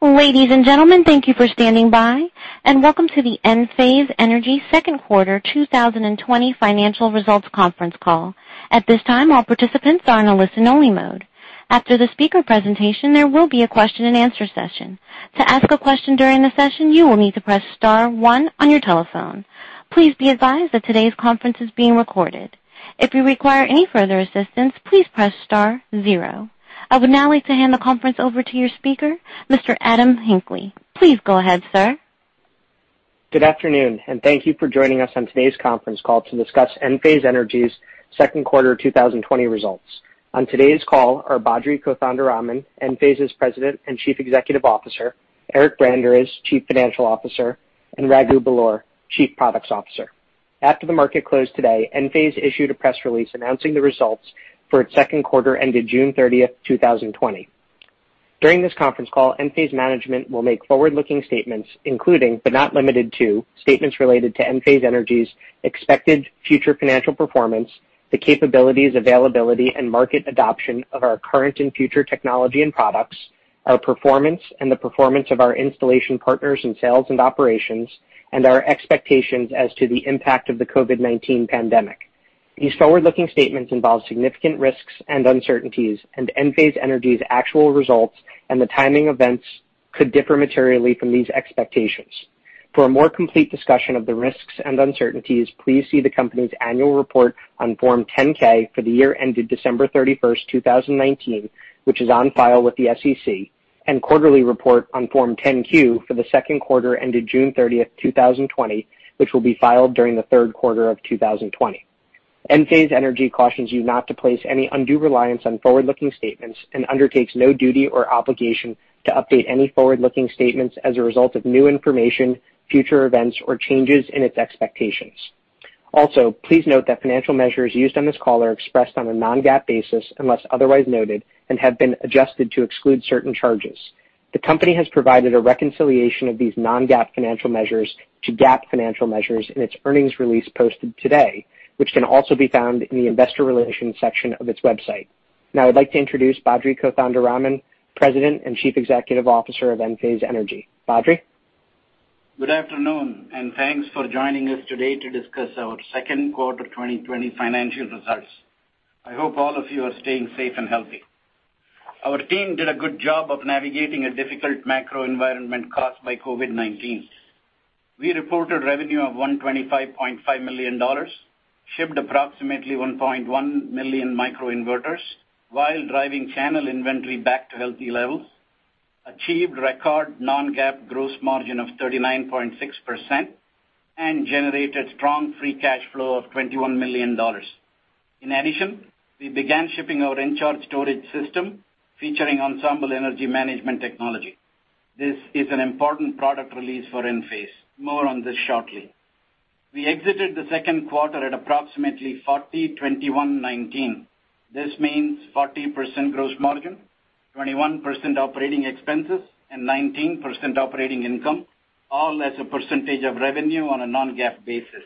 Ladies and gentlemen, thank you for standing by. Welcome to the Enphase Energy second quarter 2020 financial results conference call. At this time, all participants are in a listen-only mode. After the speaker presentation, there will be a question and answer session. To ask a question during the session, you will need to press star one on your telephone. Please be advised that today's conference is being recorded. If you require any further assistance, please press star zero. I would now like to hand the conference over to your speaker, Mr. Adam Hinckley. Please go ahead, sir. Good afternoon, thank you for joining us on today's conference call to discuss Enphase Energy's second quarter 2020 results. On today's call are Badri Kothandaraman, Enphase's President and Chief Executive Officer, Eric Branderiz, Chief Financial Officer, and Raghu Belur, Chief Products Officer. After the market closed today, Enphase issued a press release announcing the results for its second quarter ended June 30th, 2020. During this conference call, Enphase management will make forward-looking statements, including, but not limited to, statements related to Enphase Energy's expected future financial performance, the capabilities, availability, and market adoption of our current and future technology and products, our performance and the performance of our installation partners in sales and operations, and our expectations as to the impact of the COVID-19 pandemic. These forward-looking statements involve significant risks and uncertainties, Enphase Energy's actual results and the timing events could differ materially from these expectations. For a more complete discussion of the risks and uncertainties, please see the company's annual report on Form 10-K for the year ended December 31st, 2019, which is on file with the SEC, and quarterly report on Form 10-Q for the second quarter ended June 30th, 2020, which will be filed during the third quarter of 2020. Enphase Energy cautions you not to place any undue reliance on forward-looking statements and undertakes no duty or obligation to update any forward-looking statements as a result of new information, future events, or changes in its expectations. Also, please note that financial measures used on this call are expressed on a non-GAAP basis unless otherwise noted and have been adjusted to exclude certain charges. The company has provided a reconciliation of these non-GAAP financial measures to GAAP financial measures in its earnings release posted today, which can also be found in the investor relations section of its website. I'd like to introduce Badri Kothandaraman, President and Chief Executive Officer of Enphase Energy. Badri. Good afternoon, thanks for joining us today to discuss our second quarter 2020 financial results. I hope all of you are staying safe and healthy. Our team did a good job of navigating a difficult macro environment caused by COVID-19. We reported revenue of $125.5 million, shipped approximately 1.1 million microinverters while driving channel inventory back to healthy levels, achieved record non-GAAP gross margin of 39.6%, and generated strong free cash flow of $21 million. In addition, we began shipping our Encharge storage system featuring Ensemble energy management technology. This is an important product release for Enphase. More on this shortly. We exited the second quarter at approximately 40%/21%/19%. This means 40% gross margin, 21% operating expenses, and 19% operating income, all as a percentage of revenue on a non-GAAP basis.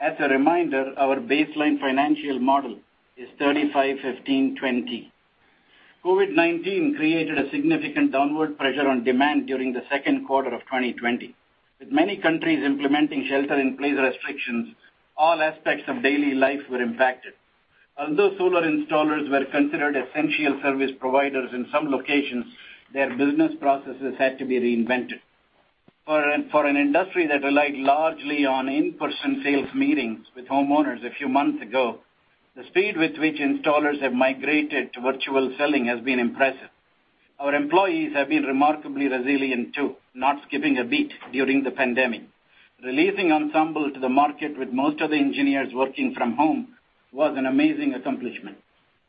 As a reminder, our baseline financial model is 35%/15%/20%. COVID-19 created a significant downward pressure on demand during the second quarter of 2020. With many countries implementing shelter-in-place restrictions, all aspects of daily life were impacted. Although solar installers were considered essential service providers in some locations, their business processes had to be reinvented. For an industry that relied largely on in-person sales meetings with homeowners a few months ago, the speed with which installers have migrated to virtual selling has been impressive. Our employees have been remarkably resilient, too, not skipping a beat during the pandemic. Releasing Ensemble to the market with most of the engineers working from home was an amazing accomplishment.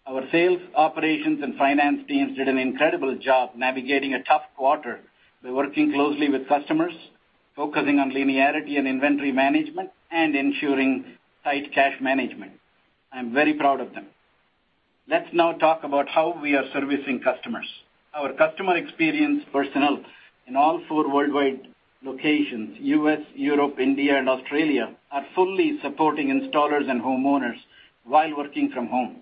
Our sales, operations, and finance teams did an incredible job navigating a tough quarter by working closely with customers, focusing on linearity and inventory management, and ensuring tight cash management. I'm very proud of them. Let's now talk about how we are servicing customers. Our customer experience personnel in all four worldwide locations, U.S., Europe, India, and Australia, are fully supporting installers and homeowners while working from home.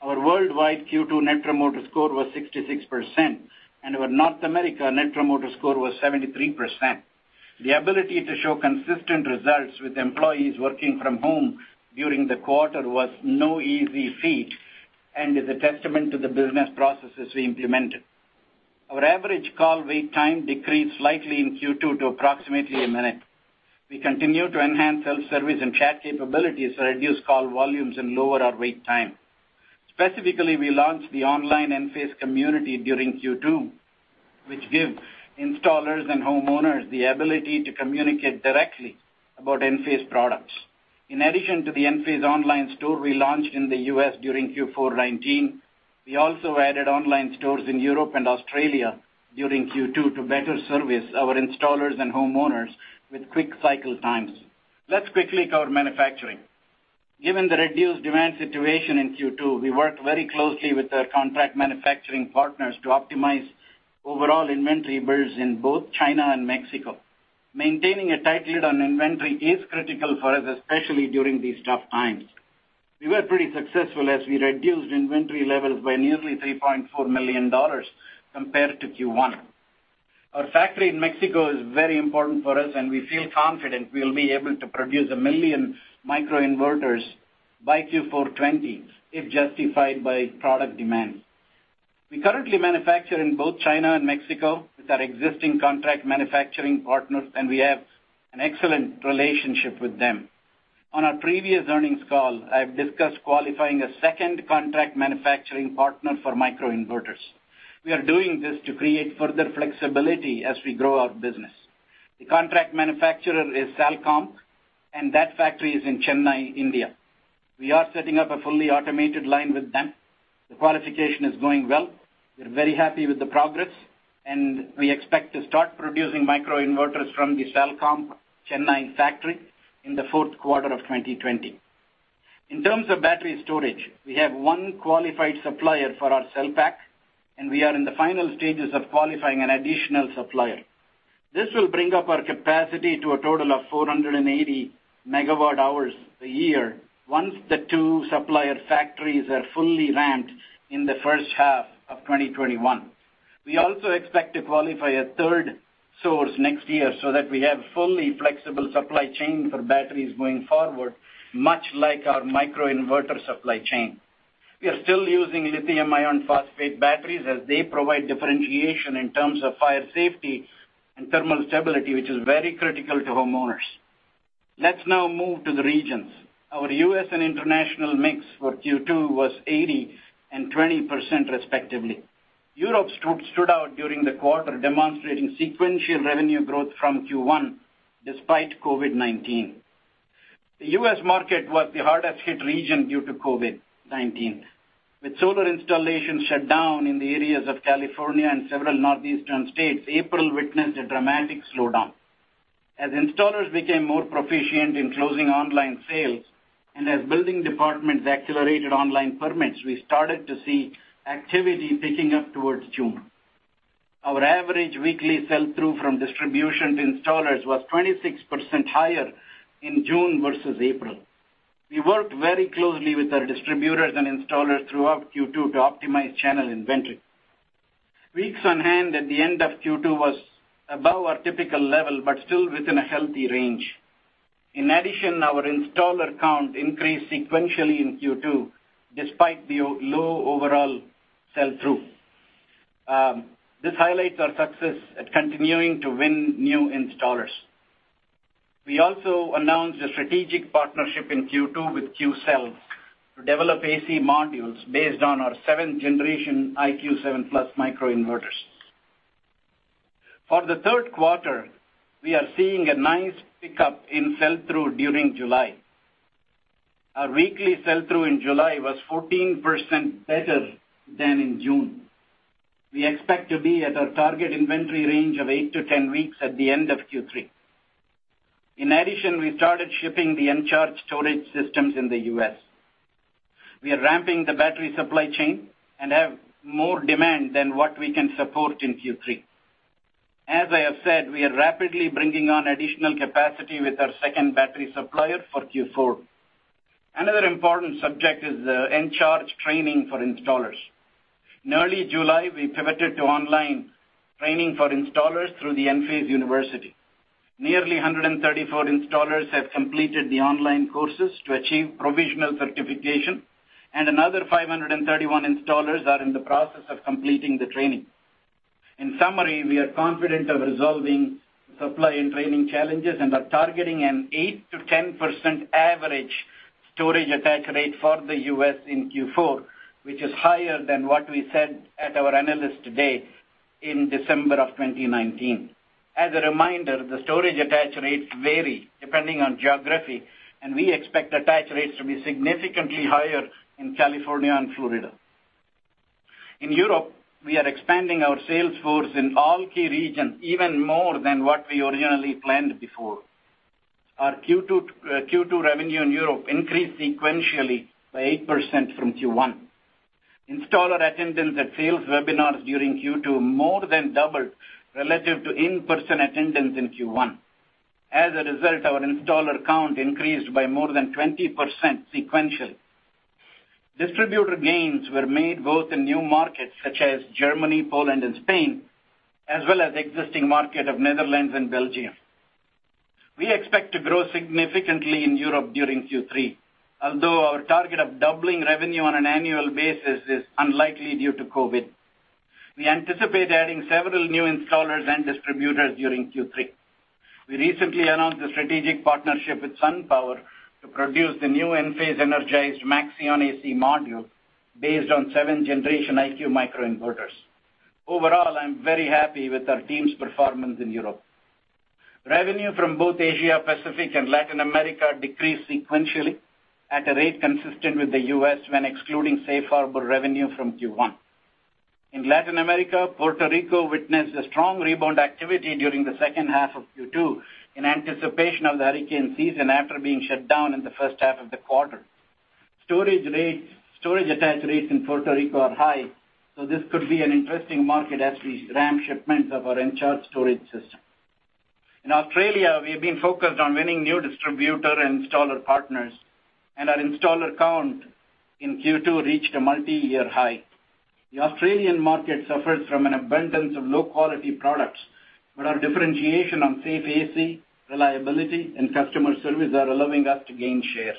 Our worldwide Q2 Net Promoter Score was 66%, and our North America Net Promoter Score was 73%. The ability to show consistent results with employees working from home during the quarter was no easy feat and is a testament to the business processes we implemented. Our average call wait time decreased slightly in Q2 to approximately a minute. We continue to enhance self-service and chat capabilities to reduce call volumes and lower our wait time. Specifically, we launched the online Enphase Community during Q2, which give installers and homeowners the ability to communicate directly about Enphase products. In addition to the Enphase Store we launched in the U.S. during Q4 2019, we also added online stores in Europe and Australia during Q2 to better service our installers and homeowners with quick cycle times. Let's quickly cover manufacturing. Given the reduced demand situation in Q2, we worked very closely with our contract manufacturing partners to optimize overall inventory builds in both China and Mexico. Maintaining a tight lid on inventory is critical for us, especially during these tough times. We were pretty successful as we reduced inventory levels by nearly $3.4 million compared to Q1. Our factory in Mexico is very important for us, and we feel confident we will be able to produce 1 million microinverters by Q4 2020, if justified by product demand. We currently manufacture in both China and Mexico with our existing contract manufacturing partners, and we have an excellent relationship with them. On our previous earnings call, I've discussed qualifying a second contract manufacturing partner for micro-inverters. We are doing this to create further flexibility as we grow our business. The contract manufacturer is Salcomp, and that factory is in Chennai, India. We are setting up a fully automated line with them. The qualification is going well. We're very happy with the progress, and we expect to start producing micro-inverters from the Salcomp Chennai factory in the fourth quarter of 2020. In terms of battery storage, we have one qualified supplier for our cell pack, and we are in the final stages of qualifying an additional supplier. This will bring up our capacity to a total of 480 megawatt hours a year once the two supplier factories are fully ramped in the first half of 2021. We also expect to qualify a third source next year so that we have fully flexible supply chain for batteries going forward, much like our microinverter supply chain. We are still using lithium iron phosphate batteries as they provide differentiation in terms of fire safety and thermal stability, which is very critical to homeowners. Let's now move to the regions. Our U.S. and international mix for Q2 was 80% and 20%, respectively. Europe stood out during the quarter, demonstrating sequential revenue growth from Q1 despite COVID-19. The U.S. market was the hardest hit region due to COVID-19. With solar installations shut down in the areas of California and several northeastern states, April witnessed a dramatic slowdown. As installers became more proficient in closing online sales and as building departments accelerated online permits, we started to see activity picking up towards June. Our average weekly sell-through from distribution to installers was 26% higher in June versus April. We worked very closely with our distributors and installers throughout Q2 to optimize channel inventory. Weeks on hand at the end of Q2 was above our typical level, but still within a healthy range. In addition, our installer count increased sequentially in Q2, despite the low overall sell-through. This highlights our success at continuing to win new installers. We also announced a strategic partnership in Q2 with Qcells to develop AC modules based on our seventh generation IQ7+ microinverters. For the third quarter, we are seeing a nice pickup in sell-through during July. Our weekly sell-through in July was 14% better than in June. We expect to be at our target inventory range of 8-10 weeks at the end of Q3. In addition, we started shipping the Encharge storage systems in the U.S. We are ramping the battery supply chain and have more demand than what we can support in Q3. As I have said, we are rapidly bringing on additional capacity with our second battery supplier for Q4. Another important subject is the Encharge training for installers. In early July, we pivoted to online training for installers through the Enphase University. Nearly 134 installers have completed the online courses to achieve provisional certification, and another 531 installers are in the process of completing the training. In summary, we are confident of resolving supply and training challenges and are targeting an 8%-10% average storage attach rate for the U.S. in Q4, which is higher than what we said at our Analyst Day in December of 2019. As a reminder, the storage attach rates vary depending on geography, and we expect attach rates to be significantly higher in California and Florida. In Europe, we are expanding our sales force in all key regions, even more than what we originally planned before. Our Q2 revenue in Europe increased sequentially by 8% from Q1. Installer attendance at sales webinars during Q2 more than doubled relative to in-person attendance in Q1. As a result, our installer count increased by more than 20% sequentially. Distributor gains were made both in new markets such as Germany, Poland, and Spain, as well as existing market of Netherlands and Belgium. We expect to grow significantly in Europe during Q3, although our target of doubling revenue on an annual basis is unlikely due to COVID. We anticipate adding several new installers and distributors during Q3. We recently announced a strategic partnership with SunPower to produce the new Enphase Energized Maxeon AC Module based on seventh generation IQ micro inverters. Overall, I'm very happy with our team's performance in Europe. Revenue from both Asia Pacific and Latin America decreased sequentially at a rate consistent with the U.S. when excluding Safe Harbor revenue from Q1. In Latin America, Puerto Rico witnessed a strong rebound activity during the second half of Q2 in anticipation of the hurricane season after being shut down in the first half of the quarter. Storage attach rates in Puerto Rico are high, so this could be an interesting market as we ramp shipments of our Encharge storage system. In Australia, we've been focused on winning new distributor and installer partners, and our installer count in Q2 reached a multi-year high. The Australian market suffers from an abundance of low-quality products, our differentiation on safe AC, reliability, and customer service are allowing us to gain share.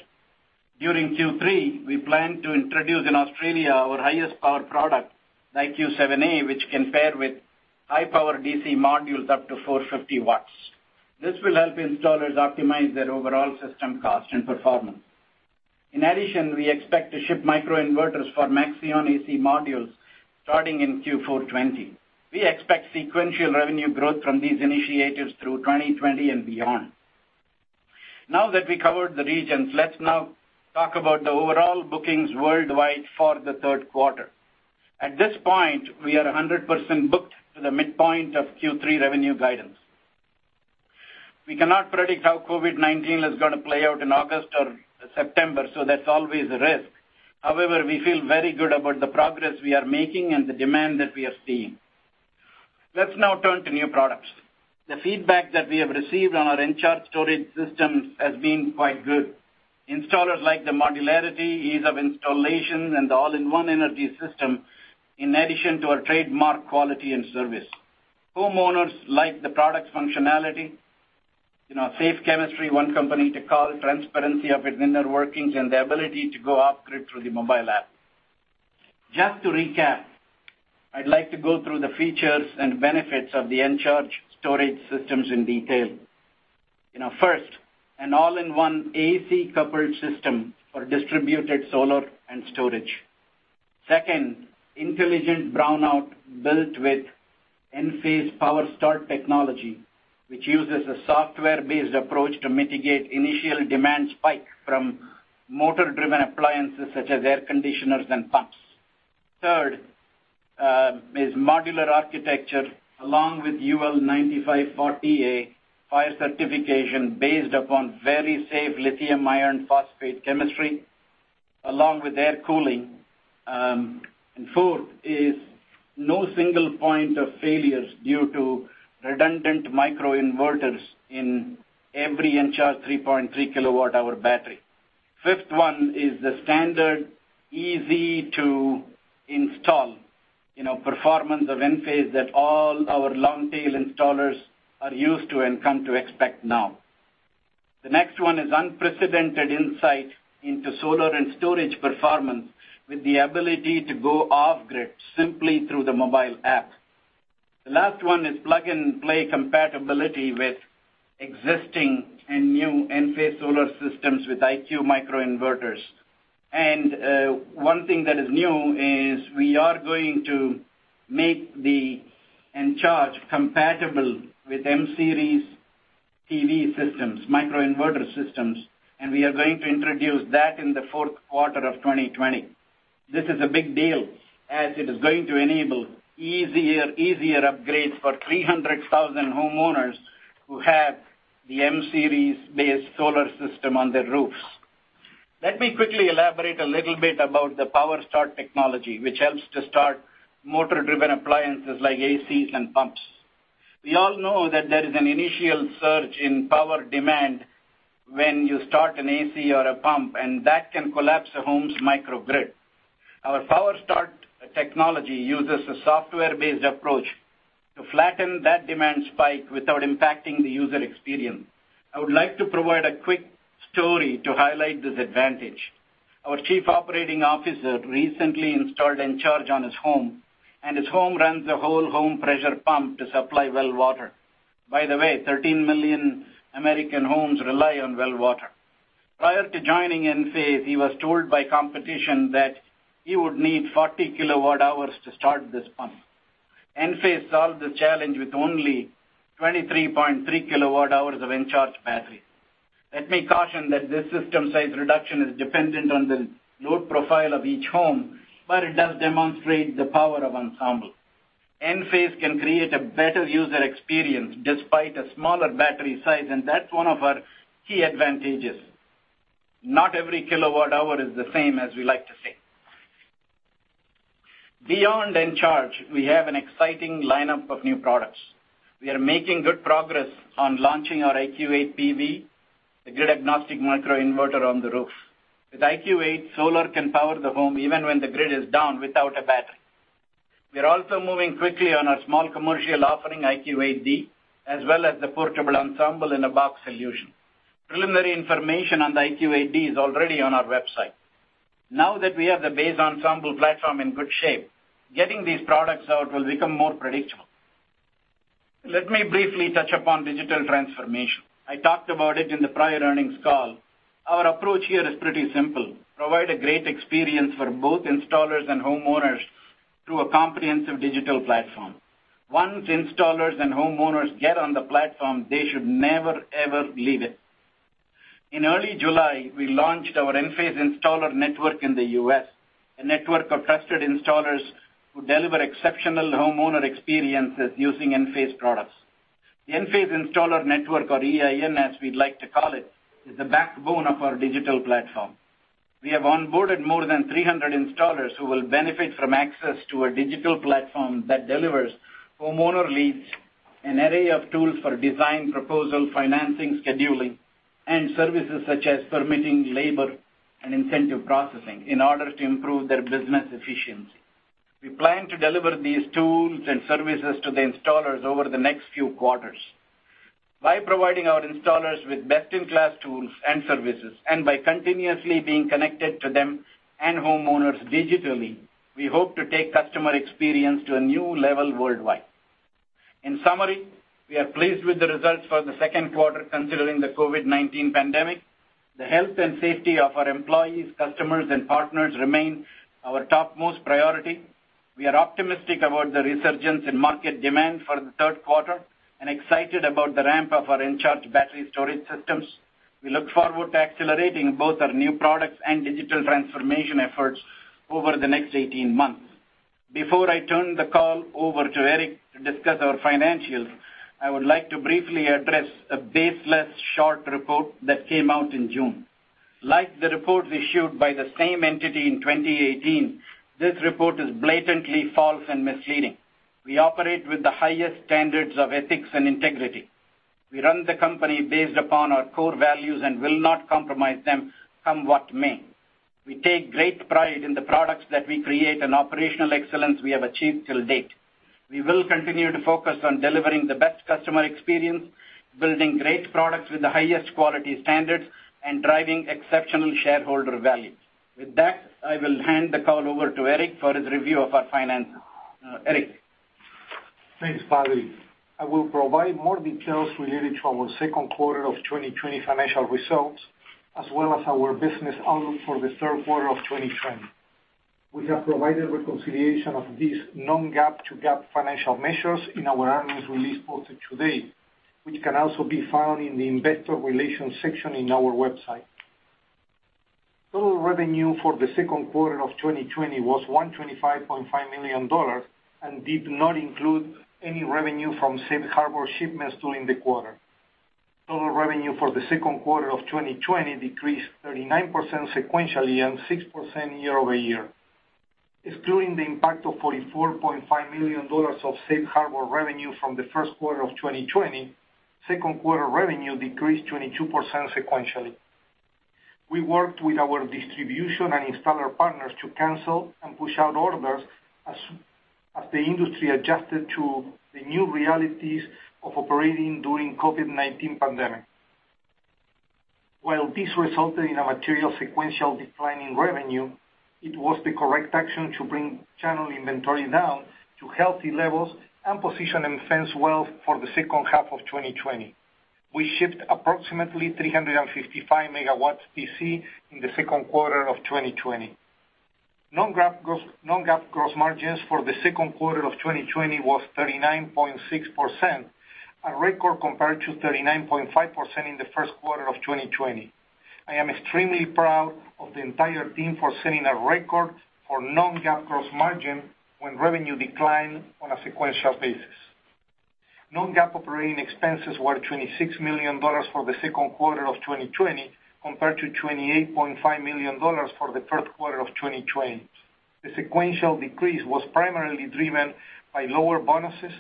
During Q3, we plan to introduce in Australia our highest power product, IQ7A, which can pair with high-power DC modules up to 450 watts. This will help installers optimize their overall system cost and performance. In addition, we expect to ship microinverters for Maxeon AC modules starting in Q4 2020. We expect sequential revenue growth from these initiatives through 2020 and beyond. Now that we covered the regions, let's now talk about the overall bookings worldwide for the third quarter. At this point, we are 100% booked to the midpoint of Q3 revenue guidance. We cannot predict how COVID-19 is going to play out in August or September, so that's always a risk. However, we feel very good about the progress we are making and the demand that we are seeing. Let's now turn to new products. The feedback that we have received on our Encharge storage systems has been quite good. Installers like the modularity, ease of installation, and the all-in-one energy system, in addition to our trademark quality and service. Homeowners like the product functionality, safe chemistry, one company to call, transparency of its inner workings, and the ability to go off-grid through the mobile app. Just to recap, I'd like to go through the features and benefits of the Encharge storage systems in detail. First, an all-in-one AC coupled system for distributed solar and storage. Second, intelligent brownout built with Enphase Power Start technology, which uses a software-based approach to mitigate initial demand spike from motor-driven appliances such as air conditioners and pumps. Third is modular architecture, along with UL 9540A fire certification based upon very safe lithium iron phosphate chemistry, along with air cooling. Fourth is no single point of failures due to redundant microinverters in every Encharge 3.3 kilowatt-hour battery. Fifth one is the standard easy-to-install performance of Enphase that all our long-tail installers are used to and come to expect now. The next one is unprecedented insight into solar and storage performance with the ability to go off-grid simply through the mobile app. The last one is plug-and-play compatibility with existing and new Enphase solar systems with IQ microinverters. One thing that is new is we are going to make the Encharge compatible with M-Series PV systems, microinverter systems, and we are going to introduce that in the fourth quarter of 2020. This is a big deal, as it is going to enable easier upgrades for 300,000 homeowners who have the M-Series-based solar system on their roofs. Let me quickly elaborate a little bit about the Power Start technology, which helps to start motor-driven appliances like ACs and pumps. We all know that there is an initial surge in power demand when you start an AC or a pump, and that can collapse a home's microgrid. Our Power Start technology uses a software-based approach to flatten that demand spike without impacting the user experience. I would like to provide a quick story to highlight this advantage. Our chief operating officer recently installed Encharge on his home, and his home runs a whole home pressure pump to supply well water. By the way, 13 million American homes rely on well water. Prior to joining Enphase, he was told by competition that he would need 40 kilowatt hours to start this pump. Enphase solved this challenge with only 23.3 kilowatt hours of Encharge battery. Let me caution that this system size reduction is dependent on the load profile of each home. It does demonstrate the power of Ensemble. Enphase can create a better user experience despite a smaller battery size. That's one of our key advantages. Not every kilowatt hour is the same, as we like to say. Beyond Encharge, we have an exciting lineup of new products. We are making good progress on launching our IQ8PV, the grid-agnostic microinverter on the roof. With IQ8, solar can power the home even when the grid is down without a battery. We're also moving quickly on our small commercial offering, IQ8D, as well as the portable Ensemble in a box solution. Preliminary information on the IQ8D is already on our website. We have the base Ensemble platform in good shape, getting these products out will become more predictable. Let me briefly touch upon digital transformation. I talked about it in the prior earnings call. Our approach here is pretty simple. Provide a great experience for both installers and homeowners through a comprehensive digital platform. Once installers and homeowners get on the platform, they should never, ever leave it. In early July, we launched our Enphase Installer Network in the U.S., a network of trusted installers who deliver exceptional homeowner experiences using Enphase products. The Enphase Installer Network, or EIN, as we like to call it, is the backbone of our digital platform. We have onboarded more than 300 installers who will benefit from access to a digital platform that delivers homeowner leads, an array of tools for design, proposal, financing, scheduling, and services such as permitting labor and incentive processing in order to improve their business efficiency. We plan to deliver these tools and services to the installers over the next few quarters. By providing our installers with best-in-class tools and services, and by continuously being connected to them and homeowners digitally, we hope to take customer experience to a new level worldwide. In summary, we are pleased with the results for the second quarter considering the COVID-19 pandemic. The health and safety of our employees, customers, and partners remain our topmost priority. We are optimistic about the resurgence in market demand for the third quarter and excited about the ramp of our Encharge battery storage systems. We look forward to accelerating both our new products and digital transformation efforts over the next 18 months. Before I turn the call over to Eric to discuss our financials, I would like to briefly address a baseless short report that came out in June. Like the report issued by the same entity in 2018, this report is blatantly false and misleading. We operate with the highest standards of ethics and integrity. We run the company based upon our core values and will not compromise them, come what may. We take great pride in the products that we create and operational excellence we have achieved to date. We will continue to focus on delivering the best customer experience, building great products with the highest quality standards, and driving exceptional shareholder value. With that, I will hand the call over to Eric for his review of our finances. Eric? Thanks, Badri. I will provide more details related to our second quarter of 2020 financial results, as well as our business outlook for the third quarter of 2020. We have provided reconciliation of these non-GAAP to GAAP financial measures in our earnings release posted today, which can also be found in the investor relations section in our website. Total revenue for the second quarter of 2020 was $125.5 million and did not include any revenue from Safe Harbor shipments during the quarter. Total revenue for the second quarter of 2020 decreased 39% sequentially and 6% year-over-year. Excluding the impact of $44.5 million of Safe Harbor revenue from the first quarter of 2020, second quarter revenue decreased 22% sequentially. We worked with our distribution and installer partners to cancel and push out orders as the industry adjusted to the new realities of operating during COVID-19 pandemic. While this resulted in a material sequential decline in revenue, it was the correct action to bring channel inventory down to healthy levels and position Enphase well for the second half of 2020. We shipped approximately 355 MW DC in the second quarter of 2020. Non-GAAP gross margins for the second quarter of 2020 was 39.6%, a record compared to 39.5% in the first quarter of 2020. I am extremely proud of the entire team for setting a record for non-GAAP gross margin when revenue declined on a sequential basis. Non-GAAP operating expenses were $26 million for the second quarter of 2020, compared to $28.5 million for the third quarter of 2020. The sequential decrease was primarily driven by lower bonuses,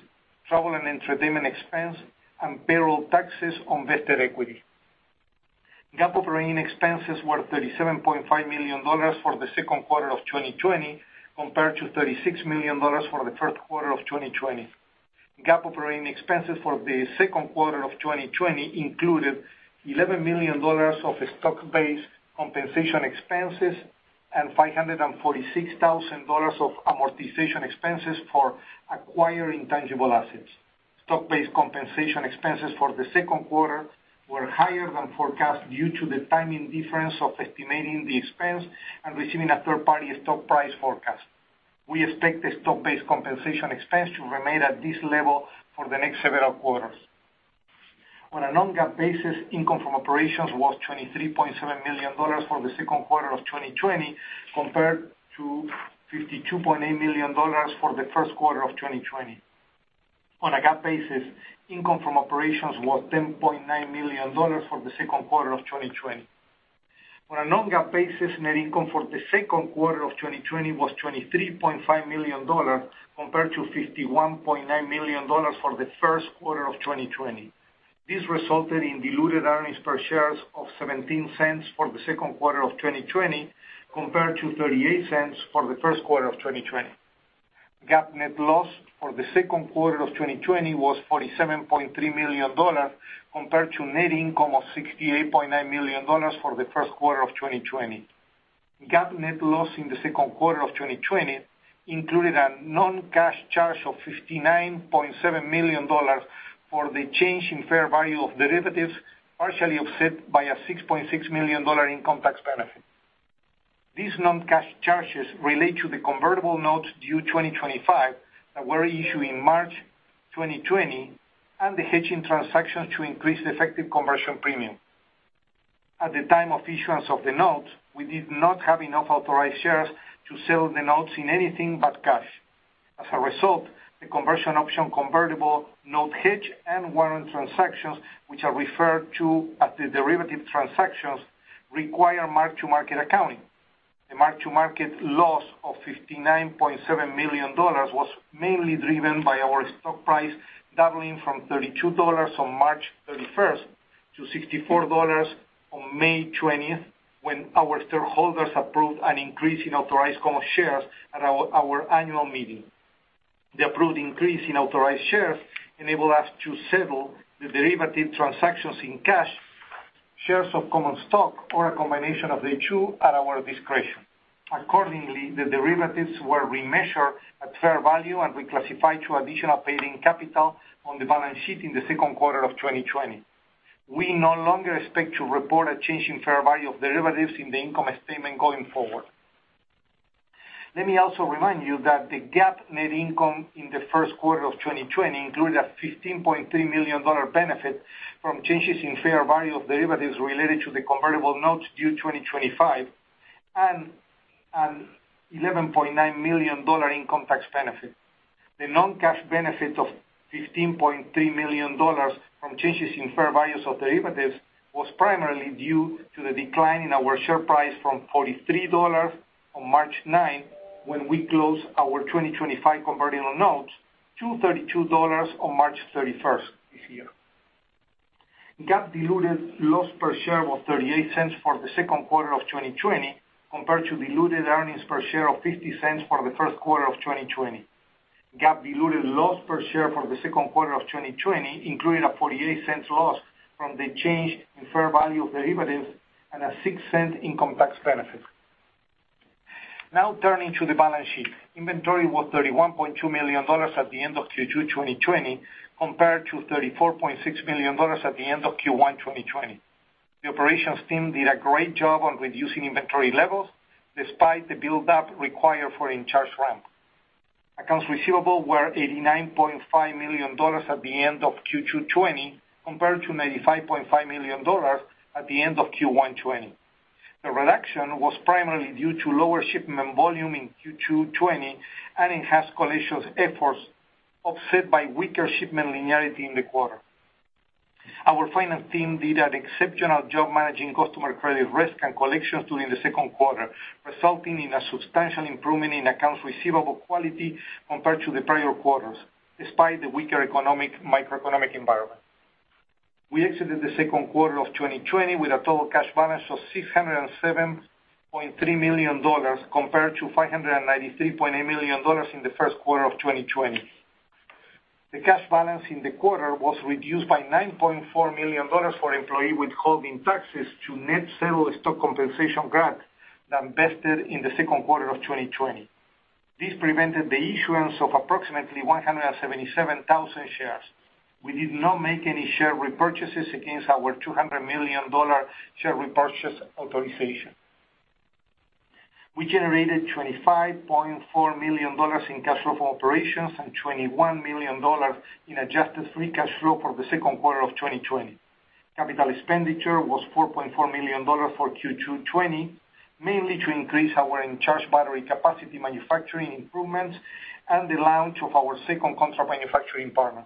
travel and entertainment expense, and payroll taxes on vested equity. GAAP operating expenses were $37.5 million for the second quarter of 2020, compared to $36 million for the third quarter of 2020. GAAP operating expenses for the second quarter of 2020 included $11 million of stock-based compensation expenses and $546,000 of amortization expenses for acquiring tangible assets. Stock-based compensation expenses for the second quarter were higher than forecast due to the timing difference of estimating the expense and receiving a third-party stock price forecast. We expect the stock-based compensation expense to remain at this level for the next several quarters. On a non-GAAP basis, income from operations was $23.7 million for the second quarter of 2020, compared to $52.8 million for the first quarter of 2020. On a GAAP basis, income from operations was $10.9 million for the second quarter of 2020. On a non-GAAP basis, net income for the second quarter of 2020 was $23.5 million compared to $51.9 million for the first quarter of 2020. This resulted in diluted earnings per share of $0.17 for the second quarter of 2020, compared to $0.38 for the first quarter of 2020. GAAP net loss for the second quarter of 2020 was $47.3 million, compared to net income of $68.9 million for the first quarter of 2020. GAAP net loss in the second quarter of 2020 included a non-cash charge of $59.7 million for the change in fair value of derivatives, partially offset by a $6.6 million income tax benefit. These non-cash charges relate to the convertible notes due 2025 that were issued in March 2020 and the hedging transactions to increase effective conversion premium. At the time of issuance of the note, we did not have enough authorized shares to sell the notes in anything but cash. As a result, the conversion option convertible note hedge and warrant transactions, which are referred to as the derivative transactions, require mark-to-market accounting. The mark-to-market loss of $59.7 million was mainly driven by our stock price doubling from $32 on March 31st to $64 on May 20th, when our stockholders approved an increase in authorized common shares at our annual meeting. The approved increase in authorized shares enabled us to settle the derivative transactions in cash, shares of common stock, or a combination of the two at our discretion. Accordingly, the derivatives were remeasured at fair value and reclassified to additional paid-in capital on the balance sheet in the second quarter of 2020. We no longer expect to report a change in fair value of derivatives in the income statement going forward. Let me also remind you that the GAAP net income in the first quarter of 2020 included a $15.3 million benefit from changes in fair value of derivatives related to the convertible notes due 2025 and an $11.9 million income tax benefit. The non-cash benefit of $15.3 million from changes in fair values of derivatives was primarily due to the decline in our share price from $43 on March 9th, when we closed our 2025 convertible notes, to $32 on March 31st this year. GAAP diluted loss per share was $0.38 for the second quarter of 2020 compared to diluted earnings per share of $0.50 for the first quarter of 2020. GAAP diluted loss per share for the second quarter of 2020 included a $0.48 loss from the change in fair value of derivatives and a $0.06 income tax benefit. Turning to the balance sheet. Inventory was $31.2 million at the end of Q2 2020, compared to $34.6 million at the end of Q1 2020. The operations team did a great job on reducing inventory levels despite the buildup required for Encharge ramp. Accounts receivable were $89.5 million at the end of Q2 2020, compared to $95.5 million at the end of Q1 2020. The reduction was primarily due to lower shipment volume in Q2 2020 and enhanced collections efforts offset by weaker shipment linearity in the quarter. Our finance team did an exceptional job managing customer credit risk and collections during the second quarter, resulting in a substantial improvement in accounts receivable quality compared to the prior quarters, despite the weaker microeconomic environment. We exited the second quarter of 2020 with a total cash balance of $607.3 million compared to $593.8 million in the first quarter of 2020. The cash balance in the quarter was reduced by $9.4 million for employee withholding taxes to net settle stock compensation grant that vested in the second quarter of 2020. This prevented the issuance of approximately 177,000 shares. We did not make any share repurchases against our $200 million share repurchase authorization. We generated $25.4 million in cash flow from operations and $21 million in adjusted free cash flow for the second quarter of 2020. CapEx was $4.4 million for Q2 2020, mainly to increase our Encharge battery capacity manufacturing improvements and the launch of our second contract manufacturing partner.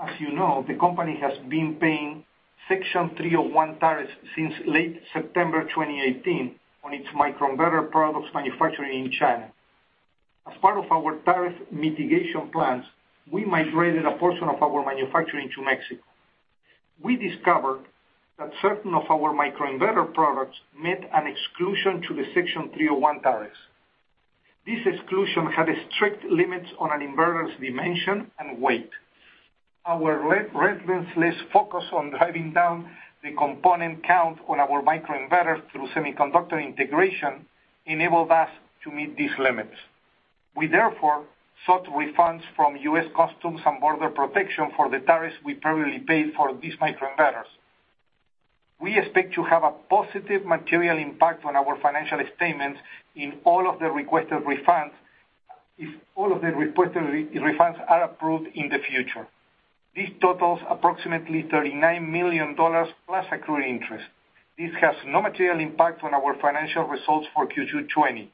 As you know, the company has been paying Section 301 tariffs since late September 2018 on its microinverter products manufactured in China. As part of our tariff mitigation plans, we migrated a portion of our manufacturing to Mexico. We discovered that certain of our microinverter products met an exclusion to the Section 301 tariffs. This exclusion had strict limits on an inverter's dimension and weight. Our relentless focus on driving down the component count on our microinverters through semiconductor integration enabled us to meet these limits. We therefore sought refunds from U.S. Customs and Border Protection for the tariffs we previously paid for these microinverters. We expect to have a positive material impact on our financial statements if all of the requested refunds are approved in the future. This totals approximately $39 million plus accrued interest. This has no material impact on our financial results for Q2 2020.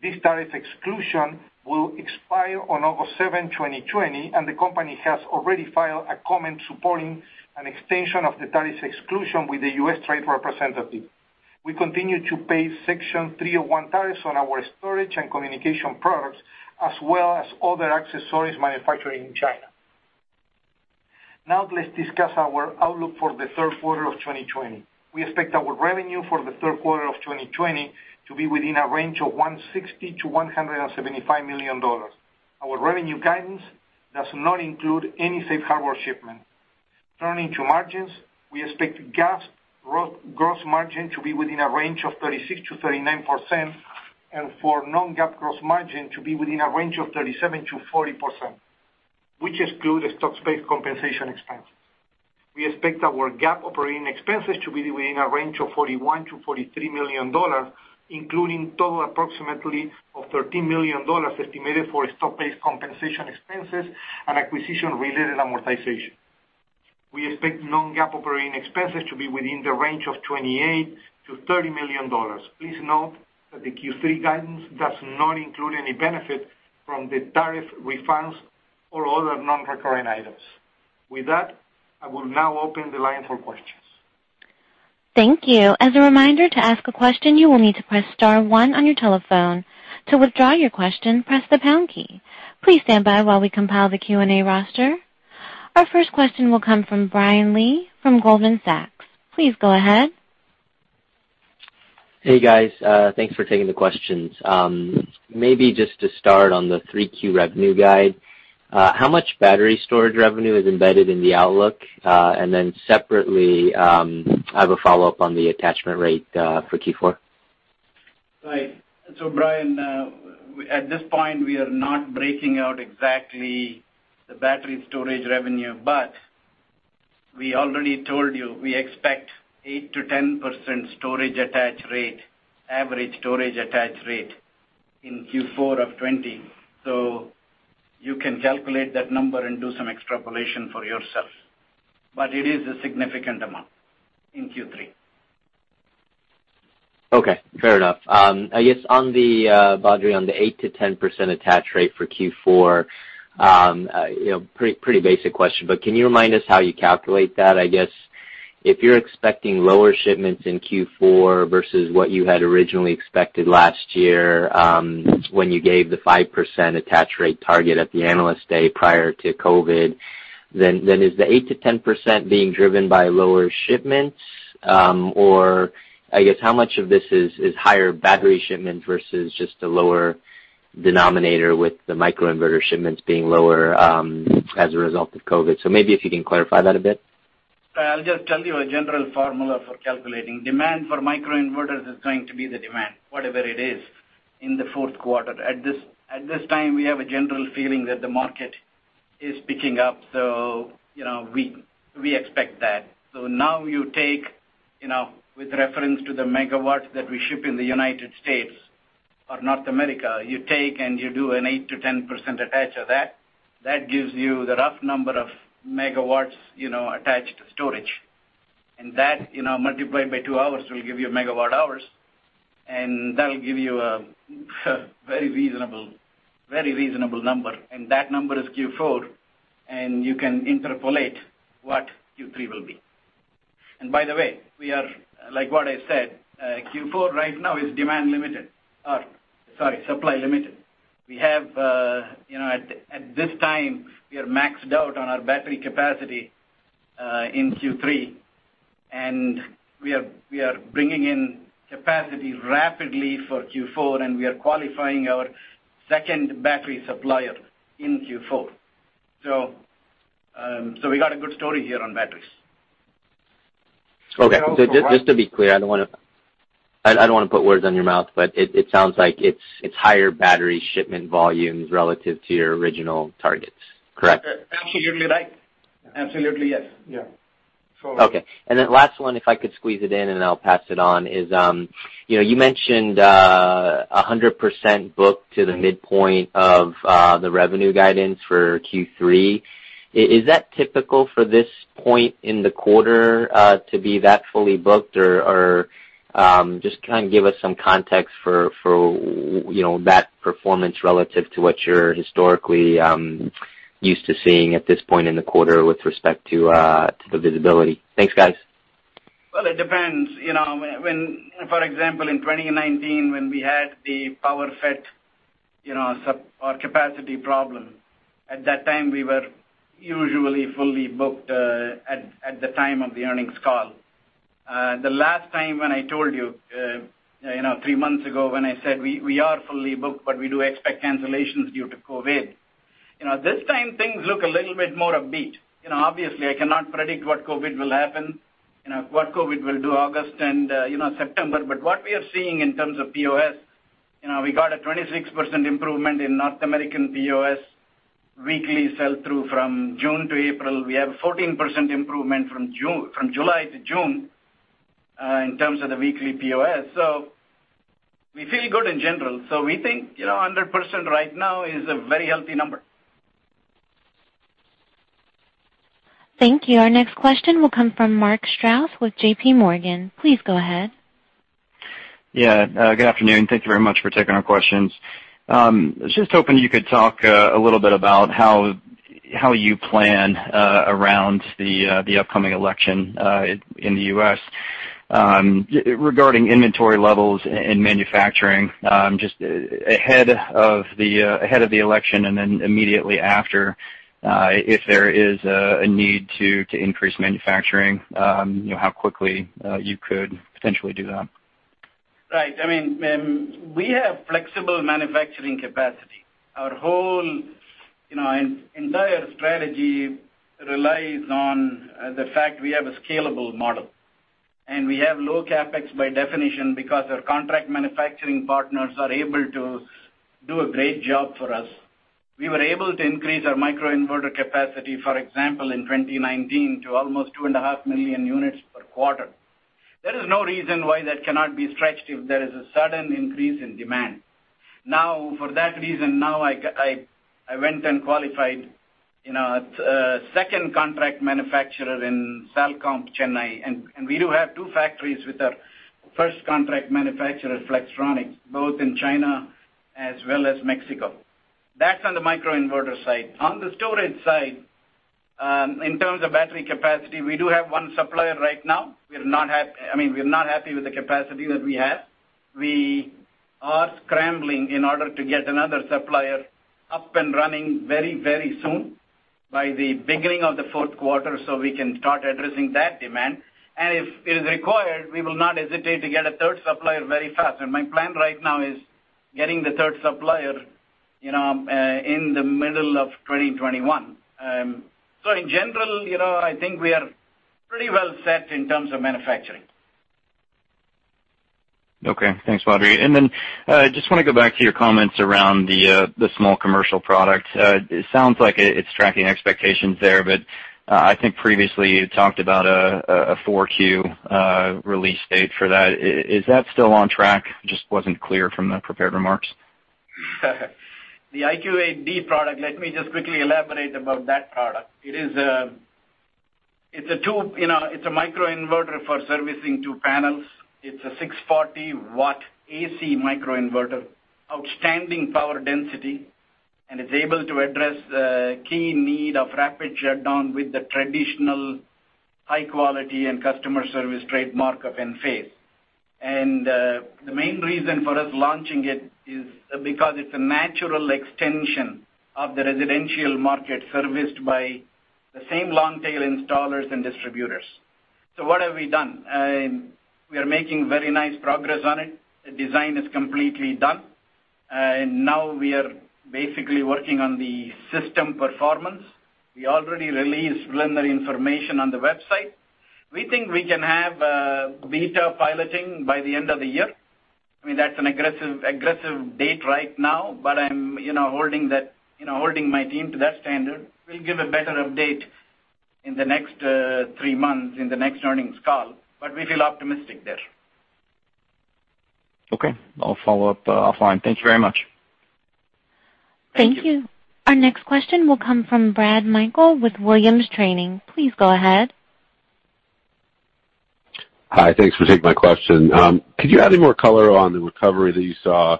This tariff exclusion will expire on August 7, 2020, and the company has already filed a comment supporting an extension of the tariff exclusion with the U.S. Trade Representative. We continue to pay Section 301 tariffs on our storage and communication products, as well as other accessories manufactured in China. Now let's discuss our outlook for the third quarter of 2020. We expect our revenue for the third quarter of 2020 to be within a range of $160 million-$175 million. Our revenue guidance does not include any safe harbor shipment. Turning to margins, we expect GAAP gross margin to be within a range of 36%-39% and for non-GAAP gross margin to be within a range of 37%-40%, which exclude the stock-based compensation expense. We expect our GAAP operating expenses to be within a range of $41 million-$43 million, including total approximately of $13 million estimated for stock-based compensation expenses and acquisition-related amortization. We expect non-GAAP operating expenses to be within the range of $28 million-$30 million. Please note that the Q3 guidance does not include any benefit from the tariff refunds or other non-recurring items. With that, I will now open the line for questions. Thank you. As a reminder, to ask a question, you will need to press star one on your telephone. To withdraw your question, press the pound key. Please stand by while we compile the Q&A roster. Our first question will come from Brian Lee from Goldman Sachs. Please go ahead. Hey, guys. Thanks for taking the questions. Maybe just to start on the 3Q revenue guide, how much battery storage revenue is embedded in the outlook? Separately, I have a follow-up on the attachment rate for Q4. Right. Brian, at this point, we are not breaking out exactly the battery storage revenue, we already told you, we expect 8%-10% storage attach rate, average storage attach rate in Q4 of 2020. You can calculate that number and do some extrapolation for yourself. It is a significant amount in Q3. Okay, fair enough. I guess, Badri, on the 8%-10% attach rate for Q4, pretty basic question, can you remind us how you calculate that? I guess if you're expecting lower shipments in Q4 versus what you had originally expected last year, when you gave the 5% attach rate target at the Analyst Day prior to COVID, is the 8%-10% being driven by lower shipments? I guess how much of this is higher battery shipment versus just a lower denominator with the microinverter shipments being lower, as a result of COVID? Maybe if you can clarify that a bit. I'll just tell you a general formula for calculating. Demand for microinverters is going to be the demand, whatever it is, in the fourth quarter. At this time, we have a general feeling that the market is picking up, we expect that. Now you take, with reference to the megawatts that we ship in the U.S. or North America, you take and you do an 8%-10% attach of that. That gives you the rough number of megawatts attached to storage. That, multiplied by two hours, will give you a megawatt hours, and that'll give you a very reasonable number. That number is Q4, and you can interpolate what Q3 will be. By the way, we are, like what I said, Q4 right now is demand limited or, sorry, supply limited. At this time, we are maxed out on our battery capacity, in Q3. We are bringing in capacity rapidly for Q4, and we are qualifying our second battery supplier in Q4. We got a good story here on batteries. Okay. Just to be clear, I don't want to put words in your mouth, but it sounds like it's higher battery shipment volumes relative to your original targets, correct? Absolutely right. Absolutely, yes. Yeah. Okay. Last one, if I could squeeze it in and then I'll pass it on, is you mentioned 100% book to the midpoint of the revenue guidance for Q3. Is that typical for this point in the quarter, to be that fully booked? Just give us some context for that performance relative to what you're historically used to seeing at this point in the quarter with respect to the visibility. Thanks, guys. Well, it depends. For example, in 2019, when we had the power FET or capacity problem, at that time, we were usually fully booked at the time of the earnings call. The last time when I told you, three months ago, when I said we are fully booked, but we do expect cancellations due to COVID. This time things look a little bit more upbeat. Obviously, I cannot predict what COVID will happen, what COVID will do August and September. What we are seeing in terms of POS, we got a 26% improvement in North American POS weekly sell-through from June to April. We have 14% improvement from July to June, in terms of the weekly POS. We feel good in general. We think 100% right now is a very healthy number. Thank you. Our next question will come from Mark Strouse with JPMorgan. Please go ahead. Yeah. Good afternoon. Thank you very much for taking our questions. I was just hoping you could talk a little bit about how you plan around the upcoming election in the U.S. regarding inventory levels and manufacturing, just ahead of the election and then immediately after, if there is a need to increase manufacturing, how quickly you could potentially do that. Right. We have flexible manufacturing capacity. Our whole entire strategy relies on the fact we have a scalable model. We have low CapEx by definition because our contract manufacturing partners are able to do a great job for us. We were able to increase our microinverter capacity, for example, in 2019 to almost 2.5 million units per quarter. There is no reason why that cannot be stretched if there is a sudden increase in demand. For that reason, now I went and qualified a second contract manufacturer in Salcomp, Chennai. We do have two factories with our first contract manufacturer, Flextronics, both in China as well as Mexico. That's on the microinverter side. On the storage side, in terms of battery capacity, we do have one supplier right now. We're not happy with the capacity that we have. We are scrambling in order to get another supplier up and running very soon, by the beginning of the fourth quarter, so we can start addressing that demand. If it is required, we will not hesitate to get a third supplier very fast. My plan right now is getting the third supplier in the middle of 2021. In general, I think we are pretty well set in terms of manufacturing. Okay. Thanks, Badri. Just want to go back to your comments around the small commercial product. It sounds like it's tracking expectations there, but I think previously you talked about a 4Q release date for that. Is that still on track? Just wasn't clear from the prepared remarks. The IQ8D product, let me just quickly elaborate about that product. It's a microinverter for servicing two panels. It's a 640-watt AC microinverter. Outstanding power density. It's able to address the key need of rapid shutdown with the traditional high quality and customer service trademark of Enphase. The main reason for us launching it is because it's a natural extension of the residential market serviced by the same long-tail installers and distributors. What have we done? We are making very nice progress on it. The design is completely done. Now we are basically working on the system performance. We already released preliminary information on the website. We think we can have beta piloting by the end of the year. That's an aggressive date right now, but I'm holding my team to that standard. We'll give a better update in the next three months, in the next earnings call, but we feel optimistic there. Okay. I'll follow up offline. Thank you very much. Thank you. Our next question will come from Brad Mehl with Williams Trading. Please go ahead. Hi. Thanks for taking my question. Could you add any more color on the recovery that you saw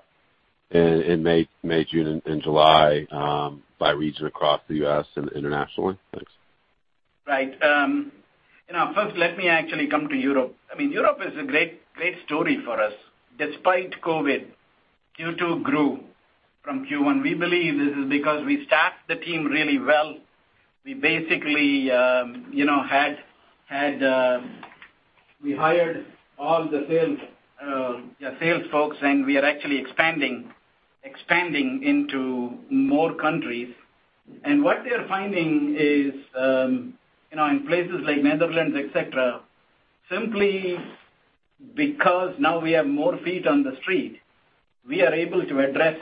in May, June, and July, by region across the U.S. and internationally? Thanks. Right. First, let me actually come to Europe. Europe is a great story for us. Despite COVID, Q2 grew from Q1. We believe this is because we staffed the team really well. We hired all the sales folks, and we are actually expanding into more countries. What we are finding is, in places like Netherlands, et cetera, simply because now we have more feet on the street, we are able to address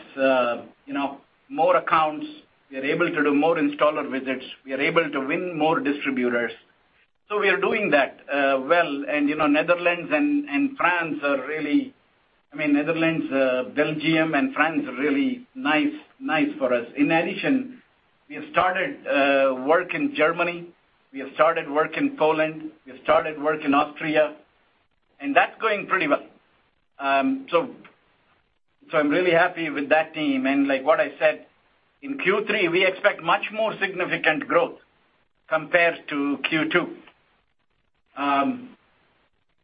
more accounts, we are able to do more installer visits, we are able to win more distributors. We are doing that well. Netherlands, Belgium, and France are really nice for us. In addition, we have started work in Germany, we have started work in Poland, we have started work in Austria, and that's going pretty well. I'm really happy with that team. Like what I said, in Q3, we expect much more significant growth compared to Q2.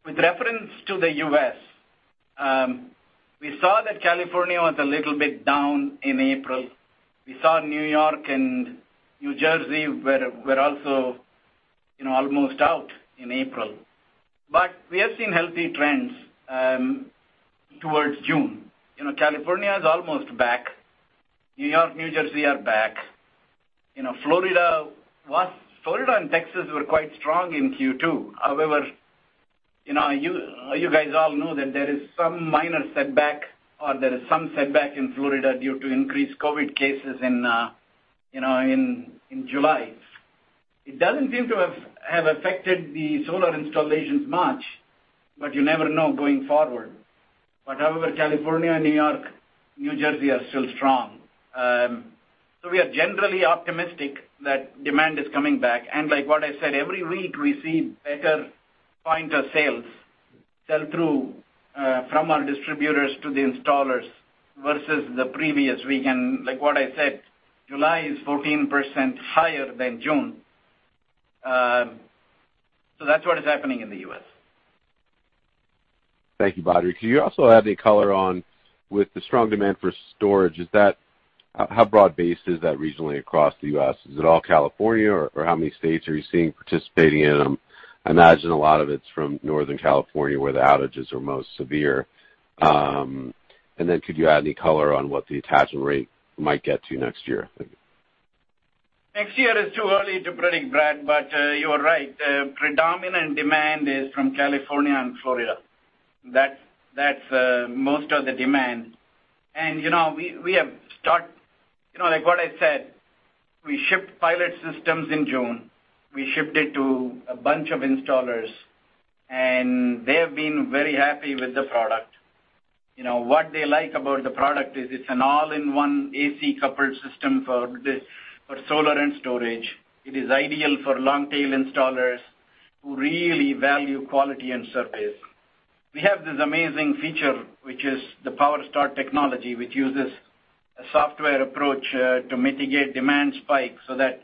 With reference to the U.S., we saw that California was a little bit down in April. We saw New York and New Jersey were also almost out in April. We have seen healthy trends towards June. California is almost back. New York, New Jersey are back. Florida and Texas were quite strong in Q2. However, you guys all know that there is some minor setback, or there is some setback in Florida due to increased COVID cases in July. It doesn't seem to have affected the solar installations much, but you never know going forward. However, California, New York, New Jersey are still strong. We are generally optimistic that demand is coming back. Like what I said, every week we see better point of sales sell through from our distributors to the installers versus the previous week. Like what I said, July is 14% higher than June. That's what is happening in the U.S. Thank you, Badri. Could you also add any color on, with the strong demand for storage, how broad-based is that regionally across the U.S.? Is it all California, or how many states are you seeing participating in them? I imagine a lot of it's from Northern California, where the outages are most severe. Could you add any color on what the attachment rate might get to next year? Thank you. Next year is too early to predict, Brad. You are right. The predominant demand is from California and Florida. That's most of the demand. No, like what I said, we shipped pilot systems in June. We shipped it to a bunch of installers, and they have been very happy with the product. What they like about the product is it's an all-in-one AC coupled system for solar and storage. It is ideal for long-tail installers who really value quality and service. We have this amazing feature, which is the PowerStart technology, which uses a software approach to mitigate demand spikes so that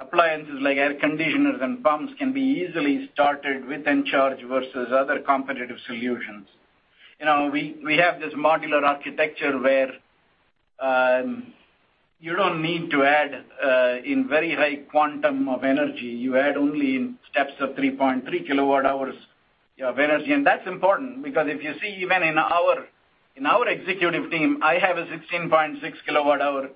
appliances like air conditioners and pumps can be easily started with Encharge versus other competitive solutions. We have this modular architecture where you don't need to add in very high quantum of energy. You add only in steps of 3.3 kWh of energy. That's important because if you see, even in our executive team, I have a 16.6 kilowatt hour.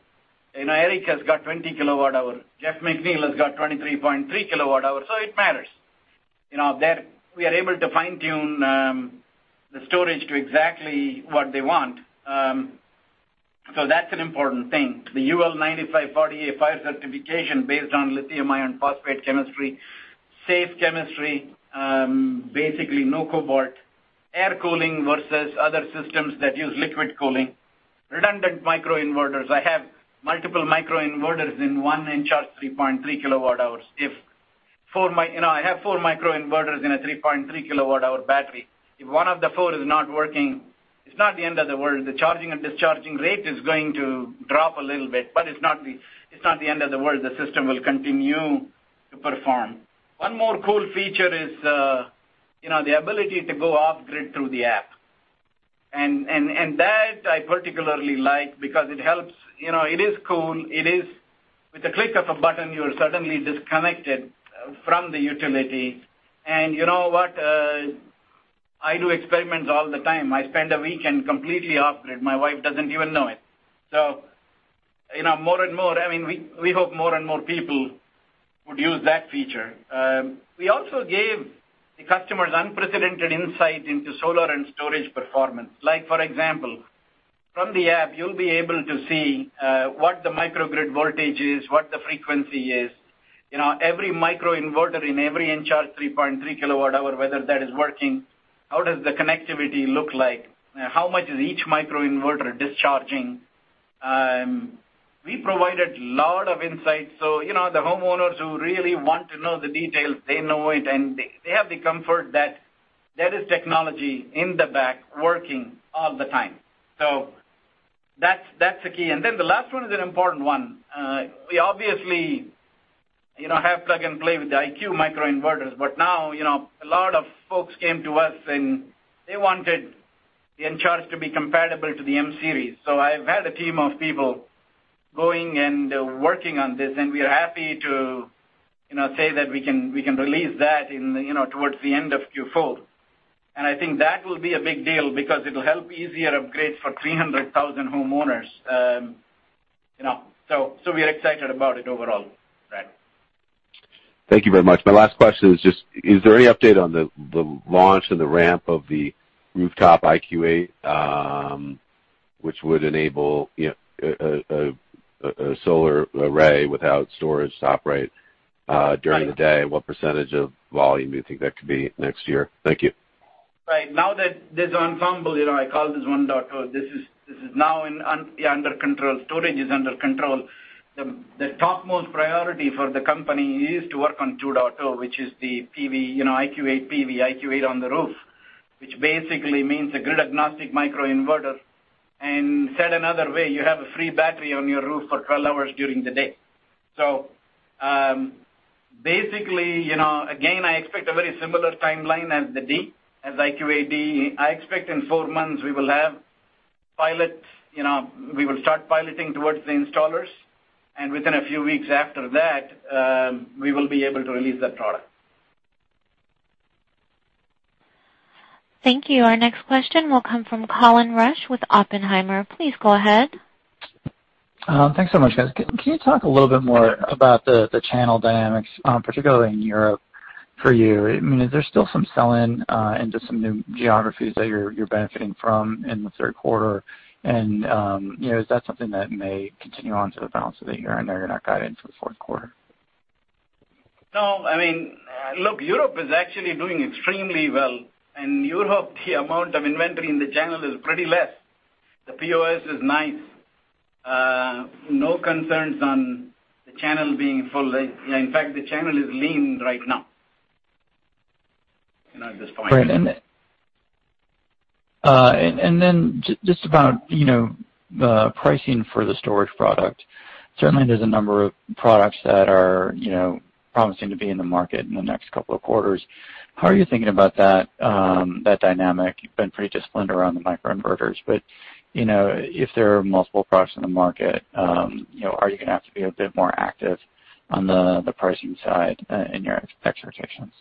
Eric has got 20 kilowatt hour. Jeff McNeil has got 23.3 kilowatt hour. It matters. We are able to fine-tune the storage to exactly what they want. That's an important thing. The UL 9540A fire certification based on lithium iron phosphate chemistry, safe chemistry, basically no cobalt, air cooling versus other systems that use liquid cooling, redundant micro inverters. I have multiple micro inverters in one Encharge 3.3 kilowatt hours. I have four micro inverters in a 3.3 kilowatt hour battery. If one of the four is not working, it's not the end of the world. The charging and discharging rate is going to drop a little bit, but it's not the end of the world. The system will continue to perform. One more cool feature is the ability to go off-grid through the app. That I particularly like because it is cool. With the click of a button, you are suddenly disconnected from the utility. You know what, I do experiments all the time. I spend a weekend completely off grid. My wife doesn't even know it. We hope more and more people would use that feature. We also gave the customers unprecedented insight into solar and storage performance. For example, from the app, you'll be able to see what the microgrid voltage is, what the frequency is. Every micro inverter in every Encharge 3.3 kilowatt hour, whether that is working, how does the connectivity look like, how much is each micro inverter discharging. We provided a lot of insights. The homeowners who really want to know the details, they know it, and they have the comfort that there is technology in the back working all the time. That's the key. The last one is an important one. We obviously have plug-and-play with the IQ microinverters, but now, a lot of folks came to us, and they wanted the Encharge to be compatible to the M-Series. I've had a team of people going and working on this, and we are happy to say that we can release that towards the end of Q4. I think that will be a big deal because it'll help easier upgrades for 300,000 homeowners. We are excited about it overall, Brad. Thank you very much. My last question is just, is there any update on the launch and the ramp of the rooftop IQ8, which would enable a solar array without storage to operate during the day? What percentage of volume do you think that could be next year? Thank you. Now that this Ensemble, I call this 1.0, this is now under control. Storage is under control. The topmost priority for the company is to work on 2.0, which is the IQ8 PV, IQ8 on the roof, which basically means a grid-agnostic microinverter. Said another way, you have a free battery on your roof for 12 hours during the day. Basically, again, I expect a very similar timeline as the D, as IQ8D. I expect in four months we will start piloting towards the installers, and within a few weeks after that, we will be able to release that product. Thank you. Our next question will come from Colin Rusch with Oppenheimer. Please go ahead. Thanks so much, guys. Can you talk a little bit more about the channel dynamics, particularly in Europe for you? Is there still some sell-in into some new geographies that you're benefiting from in the third quarter? Is that something that may continue on to the balance of the year and in your guidance for the fourth quarter? No. Look, Europe is actually doing extremely well. In Europe, the amount of inventory in the channel is pretty less. The POS is nice. No concerns on the channel being full. In fact, the channel is lean right now at this point. Right. Just about the pricing for the storage product. Certainly, there's a number of products that are promising to be in the market in the next couple of quarters. How are you thinking about that dynamic? You've been pretty disciplined around the micro inverters, but if there are multiple products in the market, are you going to have to be a bit more active on the pricing side in your expectations?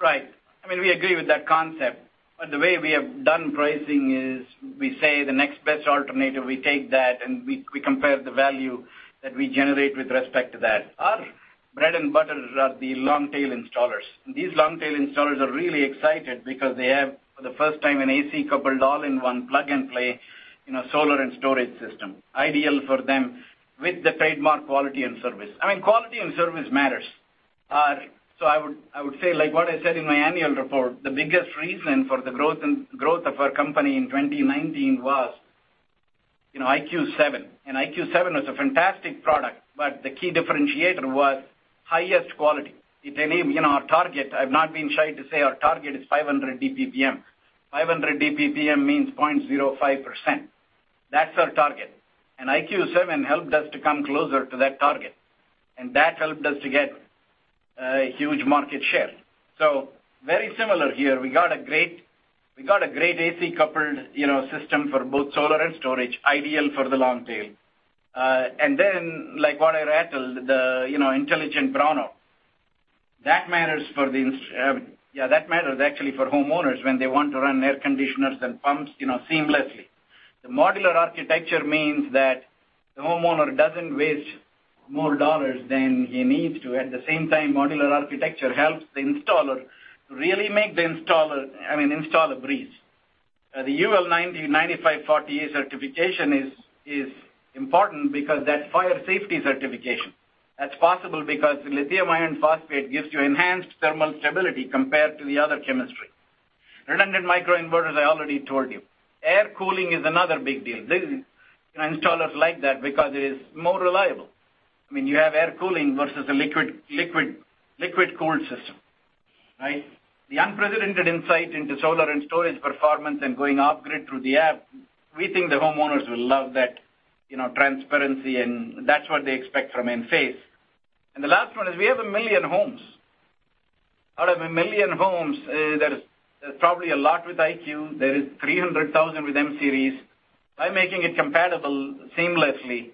Right. We agree with that concept, but the way we have done pricing is we say the next best alternative, we take that, and we compare the value that we generate with respect to that. Our bread and butter are the long-tail installers. These long-tail installers are really excited because they have, for the first time, an AC-coupled all-in-one plug-and-play solar and storage system, ideal for them with the trademark quality and service. Quality and service matters. I would say, like what I said in my annual report, the biggest reason for the growth of our company in 2019 was IQ7. IQ7 was a fantastic product, but the key differentiator was highest quality. Our target, I've not been shy to say our target is 500 DPPM. 500 DPPM means 0.05%. That's our target. IQ7 helped us to come closer to that target, and that helped us to get a huge market share. Very similar here, we got a great AC-coupled system for both solar and storage, ideal for the long tail. Like what I rattled, the intelligent brownout. That matters actually for homeowners when they want to run air conditioners and pumps seamlessly. The modular architecture means that the homeowner doesn't waste more dollars than he needs to. At the same time, modular architecture helps the installer to really make the install a breeze. The UL 9540A certification is important because that fire safety certification. That's possible because the lithium iron phosphate gives you enhanced thermal stability compared to the other chemistry. Redundant micro inverters, I already told you. Air cooling is another big deal. Installers like that because it's more reliable. You have air cooling versus a liquid cooled system. Right? The unprecedented insight into solar and storage performance and going off-grid through the app, we think the homeowners will love that transparency, and that's what they expect from Enphase. The last one is we have 1 million homes. Out of 1 million homes, there's probably a lot with IQ. There is 300,000 with M-Series. By making it compatible seamlessly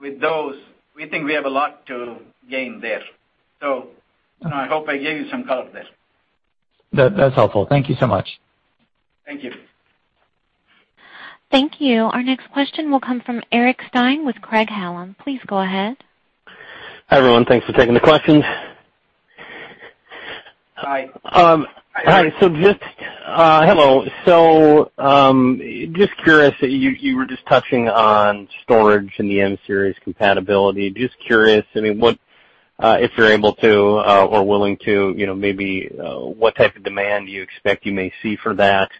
with those, we think we have a lot to gain there. I hope I gave you some color there. That's helpful. Thank you so much. Thank you. Thank you. Our next question will come from Eric Stine with Craig-Hallum. Please go ahead. Hi, everyone. Thanks for taking the questions. Hi. Hello. Just curious, you were just touching on storage and the M-Series compatibility. Just curious, if you're able to or willing to, maybe what type of demand do you expect you may see for that?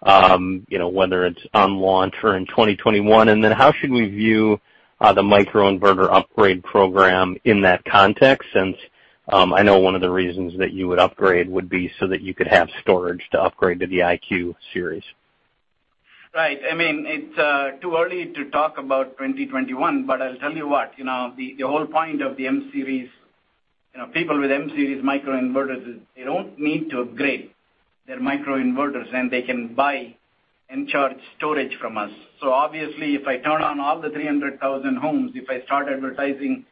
Whether it's on launch or in 2021, and then how should we view the microinverter upgrade program in that context, since I know one of the reasons that you would upgrade would be so that you could have storage to upgrade to the IQ series. Right. It's too early to talk about 2021, but I'll tell you what. The whole point of the M-Series, people with M-Series microinverters, they don't need to upgrade their microinverters, and they can buy Encharge storage from us. Obviously, if I turn on all the 300,000 homes, if I start advertising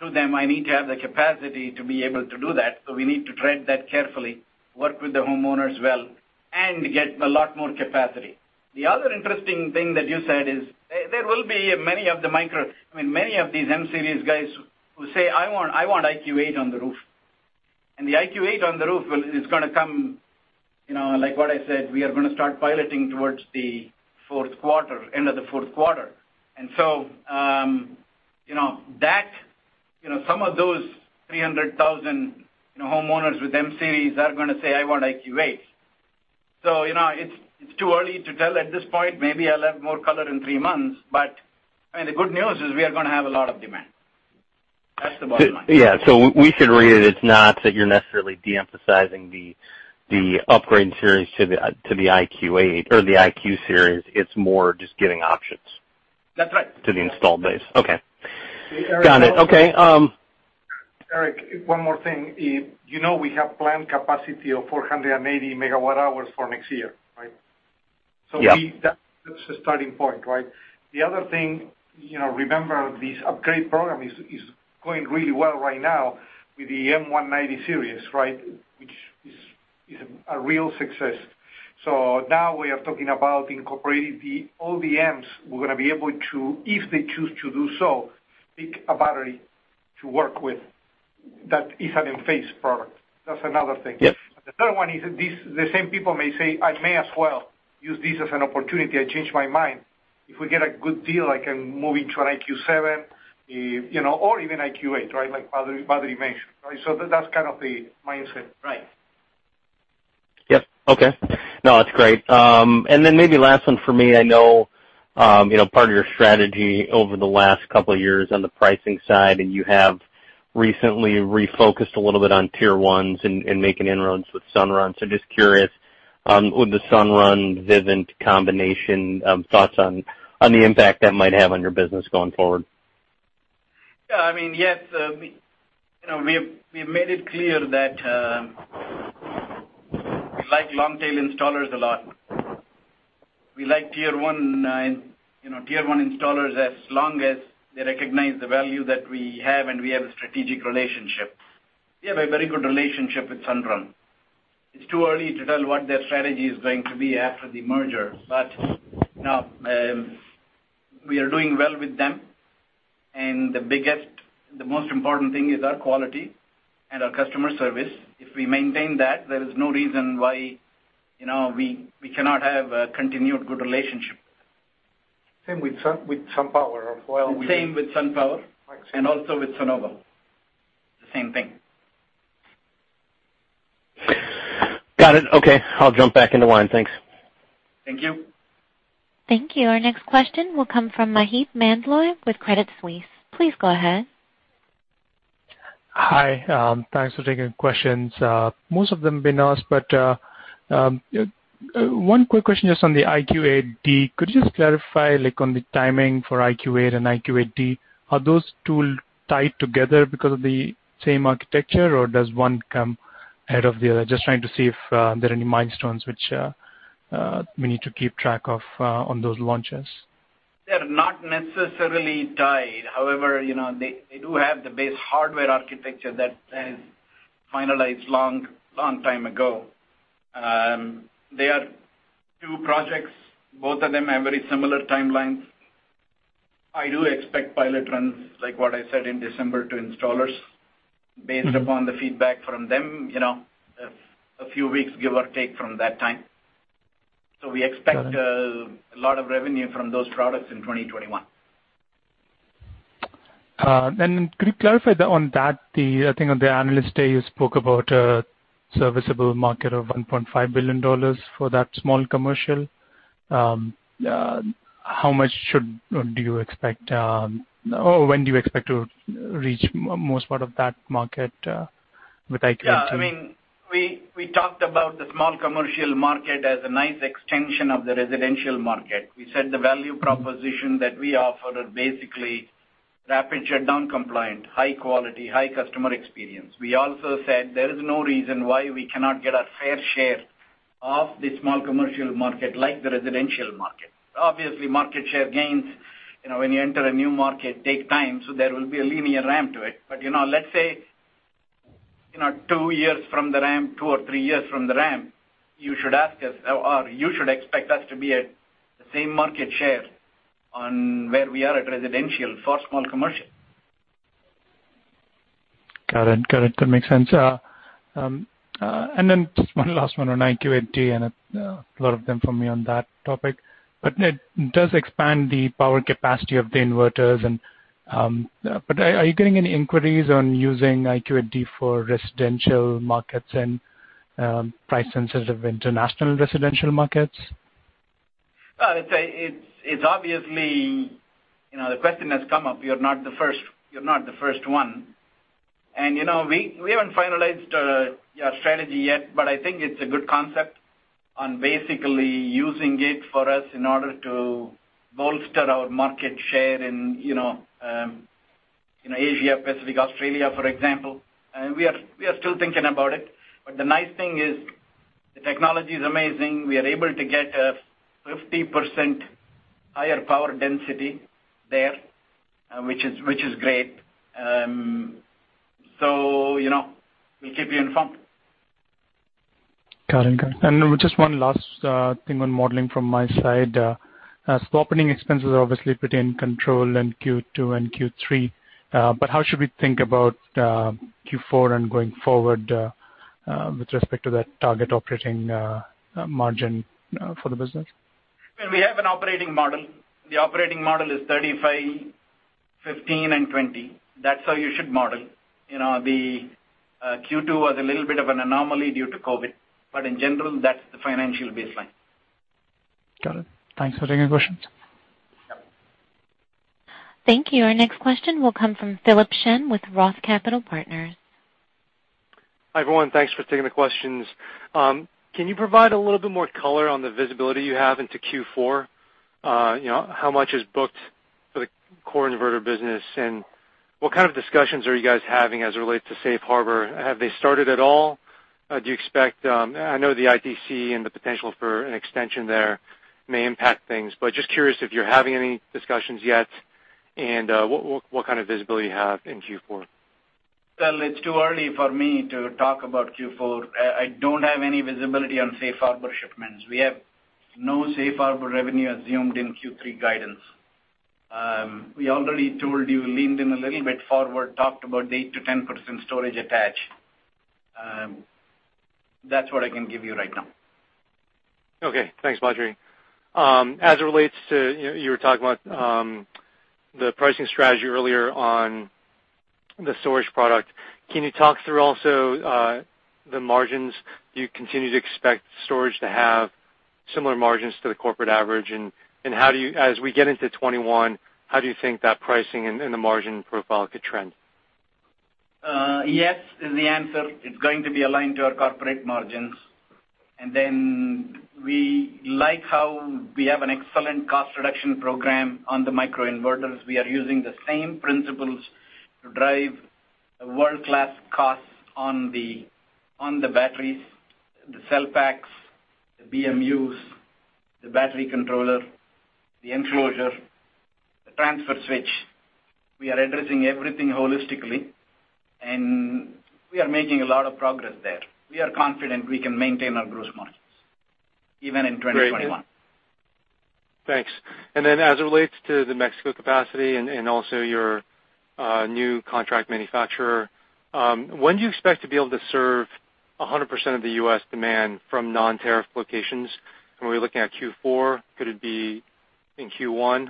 to them, I need to have the capacity to be able to do that. We need to tread that carefully, work with the homeowners well, and get a lot more capacity. The other interesting thing that you said is there will be many of these M-Series guys who say, "I want IQ8 on the roof." The IQ8 on the roof is going to come, like what I said, we are going to start piloting towards the end of the fourth quarter. Some of those 300,000 homeowners with M-Series are going to say, "I want IQ8." It's too early to tell at this point. Maybe I'll have more color in three months, the good news is we are going to have a lot of demand. That's the bottom line. Yeah. we should read it's not that you're necessarily de-emphasizing the upgrade series to the IQ series, it's more just getting options. That's right. to the installed base. Okay. Got it. Okay. Eric, one more thing. You know we have planned capacity of 480 megawatt hours for next year, right? Yeah. That's the starting point, right? The other thing, remember, this upgrade program is going really well right now with the M190 series, which is a real success. Now we are talking about incorporating all the Ms. We're going to be able to, if they choose to do so, pick a battery to work with that is an Enphase product. That's another thing. Yes. The third one is the same people may say, "I may as well use this as an opportunity. I changed my mind. If we get a good deal, I can move into an IQ7 or even IQ8," like Badri mentioned. That's kind of the mindset. Right. Yep. Okay. No, that's great. Maybe last one for me. I know part of your strategy over the last couple of years on the pricing side, and you have recently refocused a little bit on tier 1s and making inroads with Sunrun. Just curious, on the Sunrun Vivint combination, thoughts on the impact that might have on your business going forward? Yeah. We've made it clear that we like long-tail installers a lot. We like tier one installers as long as they recognize the value that we have and we have a strategic relationship. We have a very good relationship with Sunrun. It's too early to tell what their strategy is going to be after the merger. We are doing well with them, and the most important thing is our quality and our customer service. If we maintain that, there is no reason why we cannot have a continued good relationship. Same with SunPower as well. The same with SunPower, and also with Sunnova. The same thing. Got it. Okay. I'll jump back in the line. Thanks. Thank you. Thank you. Our next question will come from Maheep Mandloi with Credit Suisse. Please go ahead. Hi. Thanks for taking the questions. Most of them have been asked. One quick question just on the IQ8D. Could you just clarify, on the timing for IQ8 and IQ8D, are those two tied together because of the same architecture, or does one come ahead of the other? Just trying to see if there are any milestones which we need to keep track of on those launches. They're not necessarily tied. They do have the base hardware architecture that is finalized long time ago. They are two projects. Both of them have very similar timelines. I do expect pilot runs, like what I said in December to installers. Based upon the feedback from them, a few weeks, give or take, from that time. We expect a lot of revenue from those products in 2021. Could you clarify on that, the thing on the Analyst Day you spoke about a serviceable market of $1.5 billion for that small commercial, when do you expect to reach most part of that market with IQ8D? Yeah. We talked about the small commercial market as a nice extension of the residential market. We said the value proposition that we offer are basically rapid shutdown compliant, high quality, high customer experience. We also said there is no reason why we cannot get our fair share of the small commercial market like the residential market. Obviously, market share gains, when you enter a new market, take time, so there will be a linear ramp to it. Let's say two or three years from the ramp, you should expect us to be at the same market share on where we are at residential for small commercial. Got it. That makes sense. Just one last one on IQ8D, and a lot of them from me on that topic. It does expand the power capacity of the inverters. Are you getting any inquiries on using IQ8D for residential markets and price-sensitive international residential markets? The question has come up. You're not the first one. We haven't finalized our strategy yet, but I think it's a good concept on basically using it for us in order to bolster our market share in Asia, Pacific, Australia, for example. We are still thinking about it. The nice thing is the technology is amazing. We are able to get a 50% higher power density there, which is great. We'll keep you informed. Got it. Just one last thing on modeling from my side. As for operating expenses are obviously put in control in Q2 and Q3. How should we think about Q4 and going forward with respect to that target operating margin for the business? We have an operating model. The operating model is 35, 15, and 20. That's how you should model. The Q2 was a little bit of an anomaly due to COVID-19, but in general, that's the financial baseline. Got it. Thanks for taking the questions. Thank you. Our next question will come from Philip Shen with Roth Capital Partners. Hi, everyone. Thanks for taking the questions. Can you provide a little bit more color on the visibility you have into Q4? How much is booked for the core inverter business, and what kind of discussions are you guys having as it relates to Safe Harbor? Have they started at all? I know the ITC and the potential for an extension there may impact things, but just curious if you're having any discussions yet, and what kind of visibility you have in Q4? Well, it's too early for me to talk about Q4. I don't have any visibility on safe harbor shipments. We have no safe harbor revenue assumed in Q3 guidance. We already told you, leaned in a little bit forward, talked about 8%-10% storage attach. That's what I can give you right now. Okay. Thanks, Badri. As it relates to, you were talking about the pricing strategy earlier on the storage product. Can you talk through also the margins? Do you continue to expect storage to have similar margins to the corporate average? As we get into 2021, how do you think that pricing and the margin profile could trend? Yes is the answer. It's going to be aligned to our corporate margins. We like how we have an excellent cost reduction program on the microinverters. We are using the same principles to drive world-class costs on the batteries, the cell packs, the BMUs, the battery controller, the enclosure, the transfer switch. We are addressing everything holistically, and we are making a lot of progress there. We are confident we can maintain our gross margins, even in 2021. Great. Thanks. As it relates to the Mexico capacity and also your new contract manufacturer, when do you expect to be able to serve 100% of the U.S. demand from non-tariff locations? Are we looking at Q4? Could it be in Q1?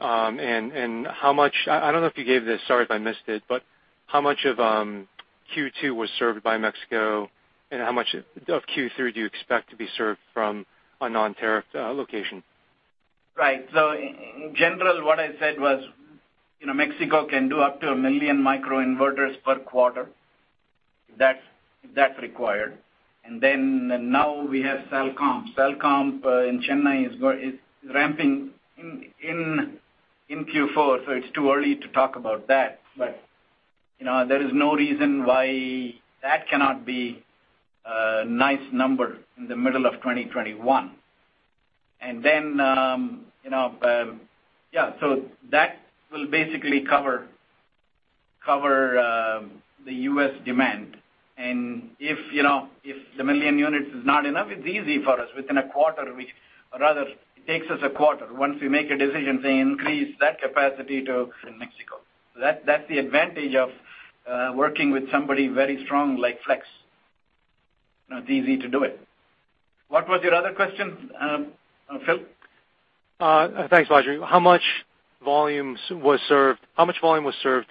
I don't know if you gave this, sorry if I missed it, but how much of Q2 was served by Mexico and how much of Q3 do you expect to be served from a non-tariff location? Right. In general, what I said was Mexico can do up to 1 million microinverters per quarter. If that's required. Now we have Salcomp. Salcomp in Chennai is ramping in Q4, so it's too early to talk about that. There is no reason why that cannot be a nice number in the middle of 2021. That will basically cover the U.S. demand. If the 1 million units is not enough, it's easy for us. Within a quarter, it takes us a quarter. Once we make a decision, they increase that capacity to Mexico. That's the advantage of working with somebody very strong like Flex. It's easy to do it. What was your other question, Phil? Thanks, Badri. How much volume was served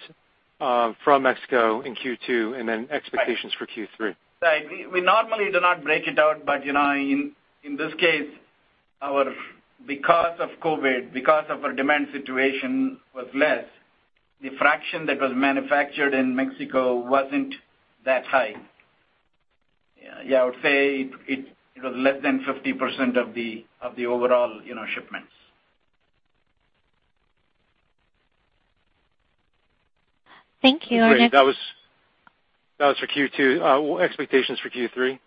from Mexico in Q2, and then expectations for Q3? Right. We normally do not break it out, but in this case, because of COVID, because of our demand situation was less, the fraction that was manufactured in Mexico wasn't that high. Yeah, I would say it was less than 50% of the overall shipments. Thank you. Our next- Great. That was for Q2. Expectations for Q3?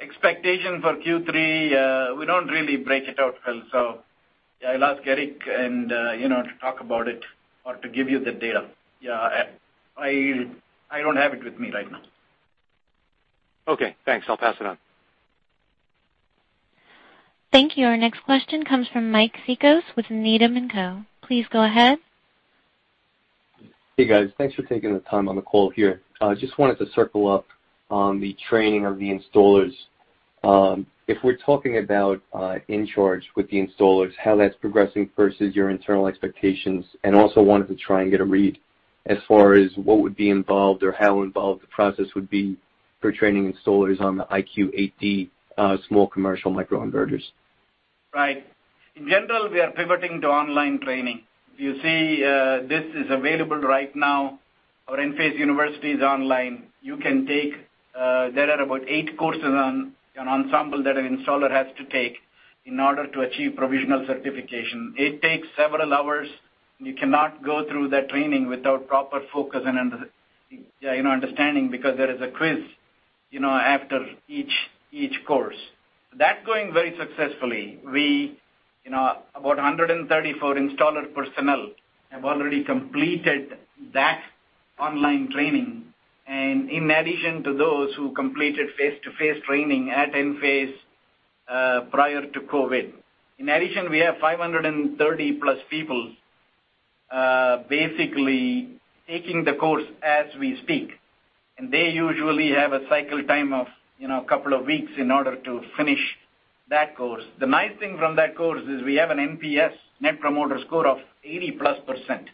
Expectation for Q3, we don't really break it out, Phil. I'll ask Eric to talk about it or to give you the data. I don't have it with me right now. Okay, thanks. I'll pass it on. Thank you. Our next question comes from Mike Cikos with Needham & Company. Please go ahead. Hey, guys. Thanks for taking the time on the call here. Just wanted to circle up on the training of the installers. If we're talking about Encharge with the installers, how that's progressing versus your internal expectations, also wanted to try and get a read as far as what would be involved or how involved the process would be for training installers on the IQ8D small commercial microinverters. Right. In general, we are pivoting to online training. If you see, this is available right now. Our Enphase University is online. There are about eight courses on Ensemble that an installer has to take in order to achieve provisional certification. It takes several hours. You cannot go through that training without proper focus and understanding, because there is a quiz after each course. That's going very successfully. About 134 installer personnel have already completed that online training. In addition to those who completed face-to-face training at Enphase prior to COVID. In addition, we have 530-plus people basically taking the course as we speak, and they usually have a cycle time of a couple of weeks in order to finish that course. The nice thing from that course is we have an NPS, Net Promoter Score, of 80-plus%.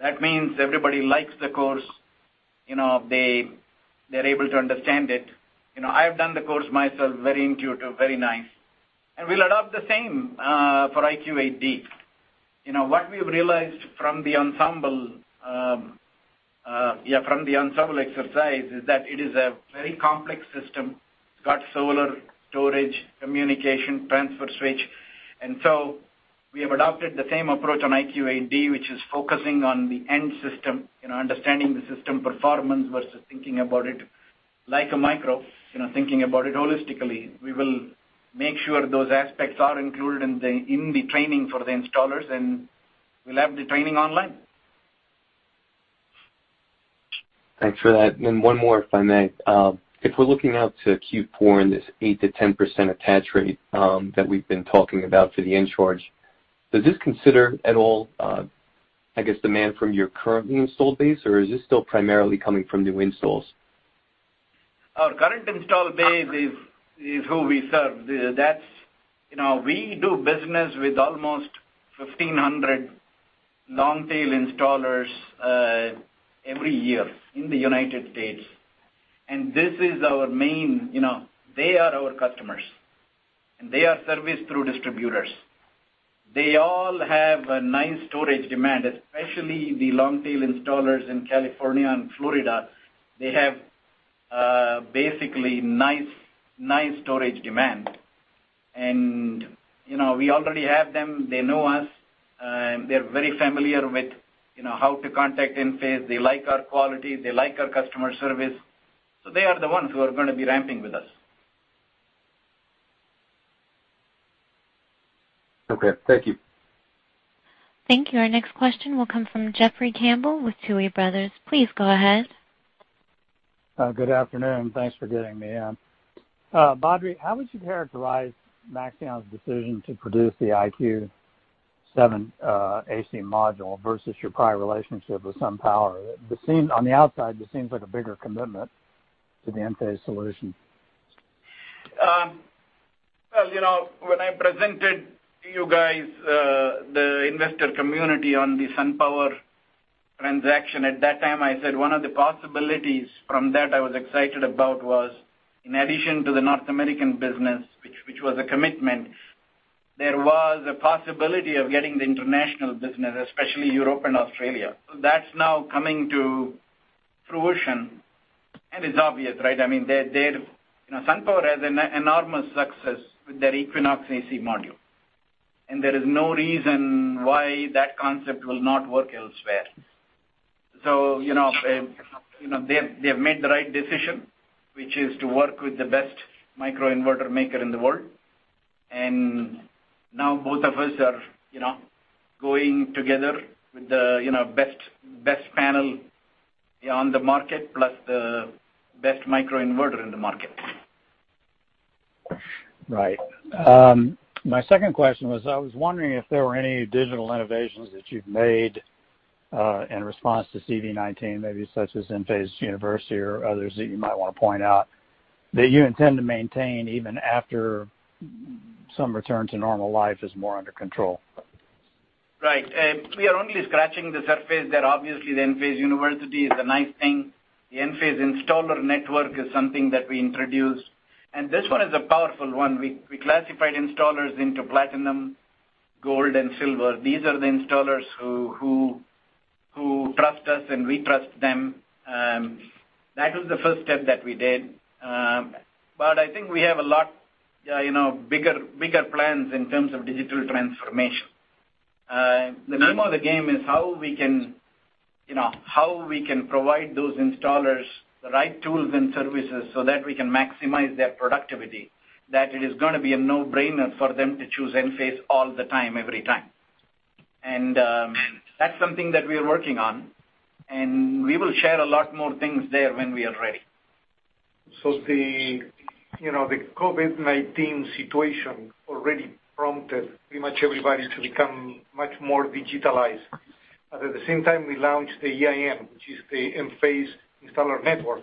That means everybody likes the course. They're able to understand it. I've done the course myself. Very intuitive, very nice. We'll adopt the same for IQ8D. What we've realized from the Ensemble exercise is that it is a very complex system. It's got solar, storage, communication, transfer switch. We have adopted the same approach on IQ8D, which is focusing on the end system, understanding the system performance versus thinking about it like a micro, thinking about it holistically. We will make sure those aspects are included in the training for the installers, and we'll have the training online. Thanks for that. One more, if I may. If we're looking out to Q4 and this 8%-10% attach rate that we've been talking about for the Encharge, does this consider at all, I guess, demand from your current install base, or is this still primarily coming from new installs? Our current install base is who we serve. We do business with almost 1,500 long-tail installers every year in the U.S. They are our customers, and they are serviced through distributors. They all have a nice storage demand, especially the long-tail installers in California and Florida. They have basically nice storage demand. We already have them. They know us. They're very familiar with how to contact Enphase. They like our quality. They like our customer service. They are the ones who are going to be ramping with us. Okay. Thank you. Thank you. Our next question will come from Jeffrey Campbell with Tuohy Brothers. Please go ahead. Good afternoon. Thanks for getting me in. Badri, how would you characterize Maxeon's decision to produce the IQ7 AC module versus your prior relationship with SunPower? On the outside, this seems like a bigger commitment to the Enphase solution. Well, when I presented to you guys, the investor community, on the SunPower transaction, at that time, I said one of the possibilities from that I was excited about was, in addition to the North American business, which was a commitment, there was a possibility of getting the international business, especially Europe and Australia. That's now coming to fruition, and it's obvious, right? SunPower has an enormous success with their Equinox AC module, and there is no reason why that concept will not work elsewhere. They have made the right decision, which is to work with the best microinverter maker in the world. Now both of us are going together with the best panel on the market, plus the best microinverter in the market. Right. My second question was, I was wondering if there were any digital innovations that you've made in response to COVID-19, maybe such as Enphase University or others that you might want to point out, that you intend to maintain even after some return to normal life is more under control. Right. We are only scratching the surface there. Obviously, the Enphase University is a nice thing. The Enphase Installer Network is something that we introduced, and this one is a powerful one. We classified installers into platinum, gold, and silver. These are the installers who trust us, and we trust them. That was the first step that we did. I think we have a lot bigger plans in terms of digital transformation. The name of the game is how we can provide those installers the right tools and services so that we can maximize their productivity, that it is going to be a no-brainer for them to choose Enphase all the time, every time. That's something that we are working on, and we will share a lot more things there when we are ready. The COVID-19 situation already prompted pretty much everybody to become much more digitalized. At the same time, we launched the EIN, which is the Enphase Installer Network,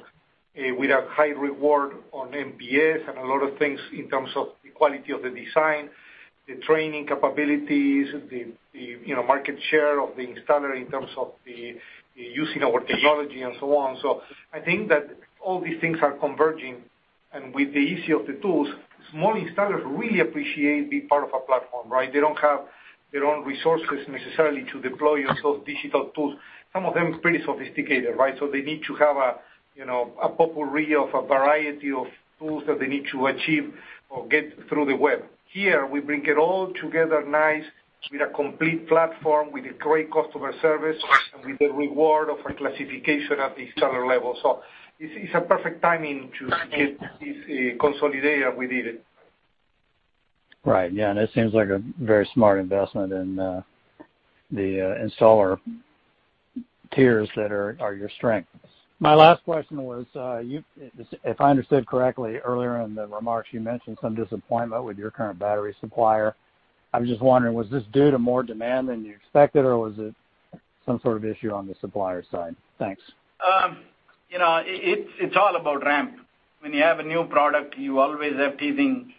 with a high reward on NPS and a lot of things in terms of the quality of the design, the training capabilities, the market share of the installer in terms of the using our technology and so on. I think that all these things are converging, and with the ease of the tools, small installers really appreciate being part of a platform, right? They don't have their own resources necessarily to deploy those digital tools. Some of them are pretty sophisticated, right? They need to have a potpourri of a variety of tools that they need to achieve or get through the web. Here, we bring it all together nice with a complete platform, with a great customer service, and with the reward of a classification at the installer level. This is a perfect timing to get this consolidated. We need it. Right. Yeah, it seems like a very smart investment in the installer tiers that are your strength. My last question was, if I understood correctly, earlier in the remarks, you mentioned some disappointment with your current battery supplier. I'm just wondering, was this due to more demand than you expected, or was it some sort of issue on the supplier side? Thanks. It's all about ramp. When you have a new product, you always have teething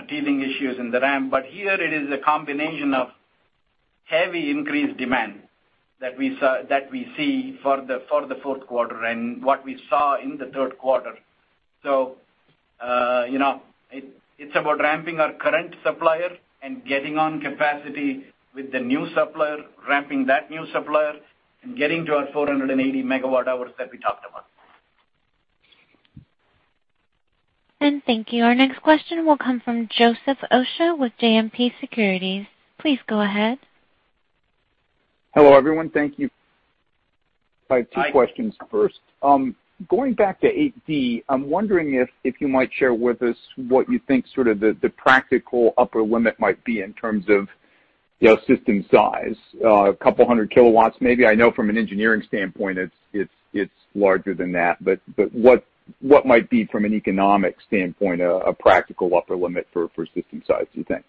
issues in the ramp. Here it is a combination of heavy increased demand that we see for the fourth quarter and what we saw in the third quarter. It's about ramping our current supplier and getting on capacity with the new supplier, ramping that new supplier, and getting to our 480 megawatt hours that we talked about. Thank you. Our next question will come from Joseph Osha with JMP Securities. Please go ahead. Hello, everyone. Thank you. I have two questions first. Going back to IQ8D, I'm wondering if you might share with us what you think sort of the practical upper limit might be in terms of system size. A couple 100 kilowatts maybe? I know from an engineering standpoint, it's larger than that, but what might be, from an economic standpoint, a practical upper limit for system size, do you think?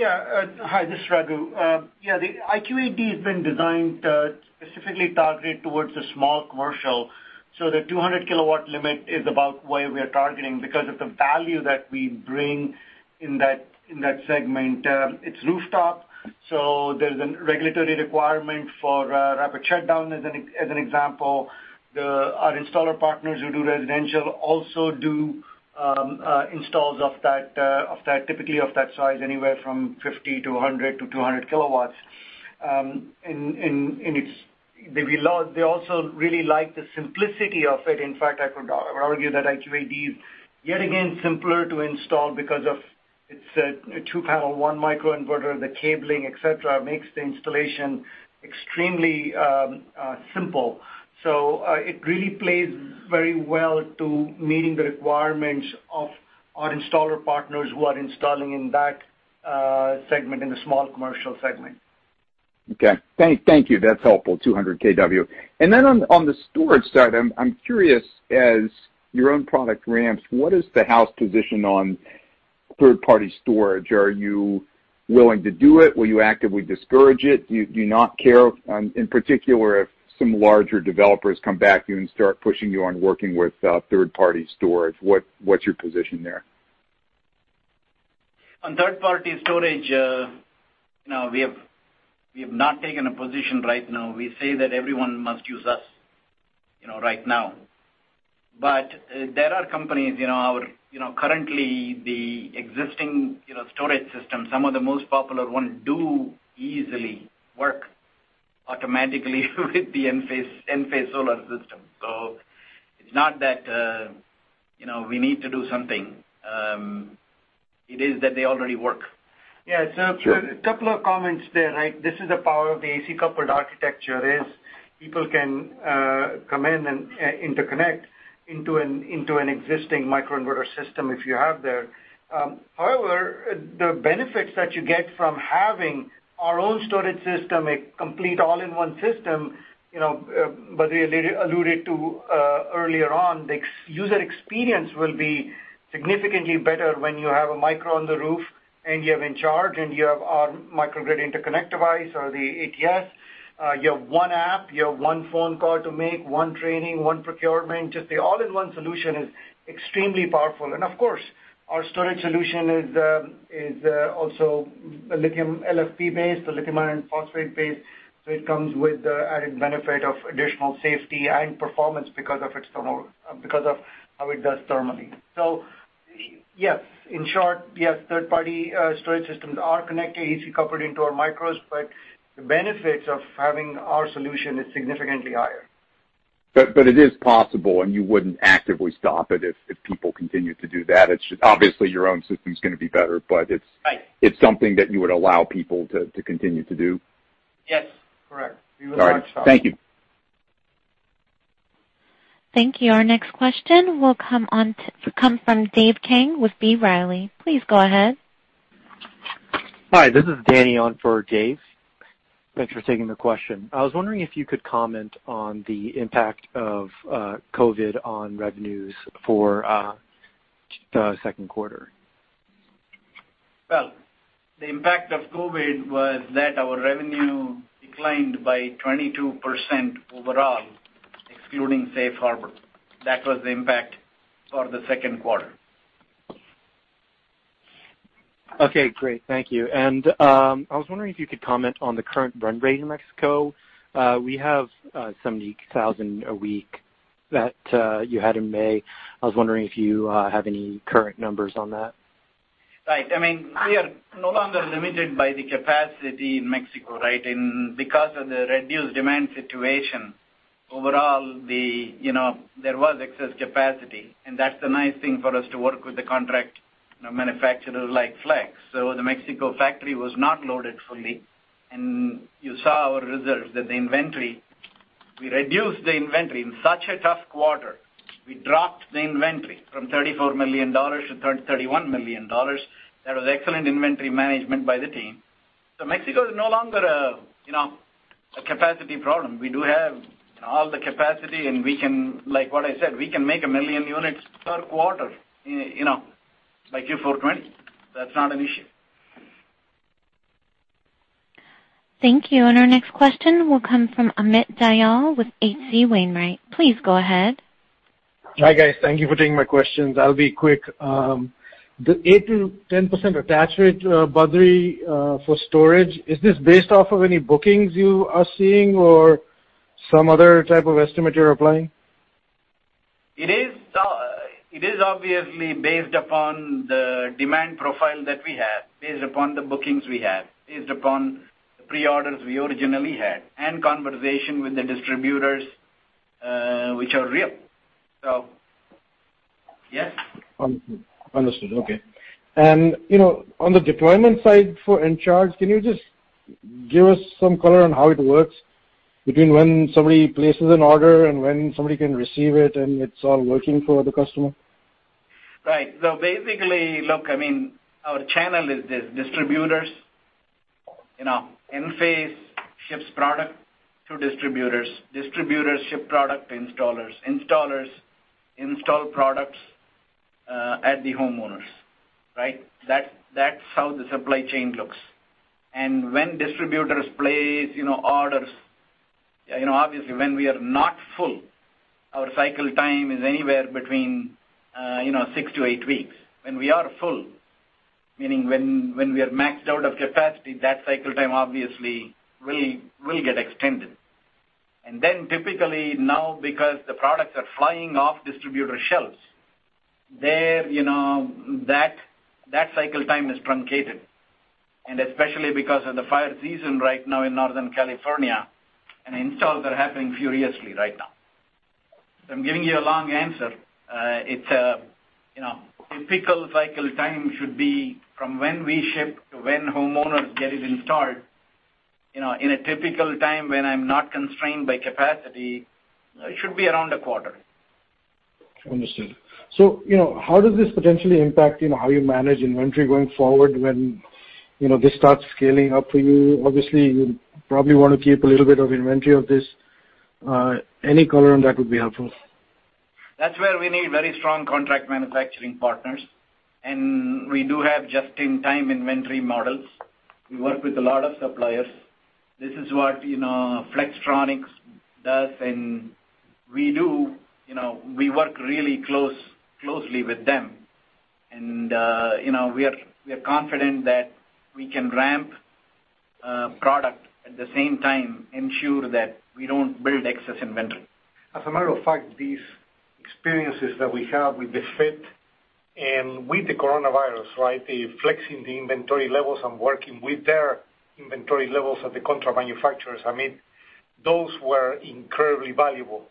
Hi, this is Raghu. The IQ8D has been designed to specifically target towards the small commercial. The 200-kilowatt limit is about where we are targeting because of the value that we bring in that segment. It's rooftop, so there's a regulatory requirement for rapid shutdown, as an example. Our installer partners who do residential also do installs typically of that size, anywhere from 50 to 100 to 200 kilowatts. They also really like the simplicity of it. In fact, I could argue that IQ8D is yet again simpler to install because it's a two panel, one microinverter. The cabling, et cetera, makes the installation extremely simple. It really plays very well to meeting the requirements of our installer partners who are installing in that segment, in the small commercial segment. Okay. Thank you. That's helpful. 200 kW. On the storage side, I'm curious, as your own product ramps, what is the house position on third-party storage? Are you willing to do it? Will you actively discourage it? Do you not care? In particular, if some larger developers come back to you and start pushing you on working with third-party storage, what's your position there? On third-party storage, we have not taken a position right now. We say that everyone must use us right now. There are companies, currently the existing storage system, some of the most popular ones do easily work automatically with the Enphase solar system. It's not that we need to do something. It is that they already work. Yeah. Sure. A couple of comments there. This is the power of the AC coupled architecture, is people can come in and interconnect into an existing microinverter system if you have there. However, the benefits that you get from having our own storage system, a complete all-in-one system, Badri alluded to earlier on, the user experience will be significantly better when you have a micro on the roof and you have Encharge and you have our microgrid interconnect device or the ATS. You have one app, you have one phone call to make, one training, one procurement. Just the all-in-one solution is extremely powerful. Of course, our storage solution is also lithium LFP-based, a lithium iron phosphate-based, so it comes with the added benefit of additional safety and performance because of how it does thermally. Yes, in short, yes, third-party storage systems are connected AC-coupled into our micros, but the benefits of having our solution is significantly higher. It is possible, and you wouldn't actively stop it if people continued to do that. It's just obviously your own system's going to be better. Right it's something that you would allow people to continue to do. Yes. Correct. We would not stop. All right. Thank you. Thank you. Our next question will come from Dave King with B. Riley. Please go ahead. Hi, this is Danny on for Dave. Thanks for taking the question. I was wondering if you could comment on the impact of COVID on revenues for the second quarter. Well, the impact of COVID was that our revenue declined by 22% overall, excluding Safe Harbor. That was the impact for the second quarter. Okay, great. Thank you. I was wondering if you could comment on the current run rate in Mexico. We have 70,000 a week that you had in May. I was wondering if you have any current numbers on that. Right. We are no longer limited by the capacity in Mexico. Because of the reduced demand situation, overall, there was excess capacity. That's the nice thing for us to work with the contract manufacturers like Flex. The Mexico factory was not loaded fully. You saw our results that the inventory, we reduced the inventory. In such a tough quarter, we dropped the inventory from $34 million to $31 million. That was excellent inventory management by the team. Mexico is no longer a capacity problem. We do have all the capacity. We can, like what I said, we can make a million units per quarter, like Q4 2020. That's not an issue. Thank you. Our next question will come from Amit Dayal with H.C. Wainwright. Please go ahead. Hi, guys. Thank you for taking my questions. I'll be quick. The 8%-10% attach rate, Badri, for storage, is this based off of any bookings you are seeing or some other type of estimate you're applying? It is obviously based upon the demand profile that we have, based upon the bookings we have, based upon the pre-orders we originally had, and conversation with the distributors, which are real. Yes. Understood. Okay. On the deployment side for Encharge, can you just give us some color on how it works between when somebody places an order and when somebody can receive it and it's all working for the customer? Right. Basically, look, our channel is this. Distributors. Enphase ships product to distributors. Distributors ship product to installers. Installers install products at the homeowners. That's how the supply chain looks. When distributors place orders, obviously, when we are not full, our cycle time is anywhere between 6 to 8 weeks. When we are full, meaning when we are maxed out of capacity, that cycle time obviously will get extended. Typically now, because the products are flying off distributor shelves, that cycle time is truncated, especially because of the fire season right now in Northern California, and installs are happening furiously right now. I'm giving you a long answer. Typical cycle time should be from when we ship to when homeowners get it installed, in a typical time when I'm not constrained by capacity, it should be around a quarter. Understood. How does this potentially impact how you manage inventory going forward when this starts scaling up for you? Obviously, you probably want to keep a little bit of inventory of this. Any color on that would be helpful. That's where we need very strong contract manufacturing partners. We do have just-in-time inventory models. We work with a lot of suppliers. This is what Flextronics does, and we work really closely with them. We are confident that we can ramp product, at the same time ensure that we don't build excess inventory. As a matter of fact, these experiences that we have with the FIT and with the coronavirus, the flexing the inventory levels and working with their inventory levels of the contract manufacturers, those were incredibly valuable.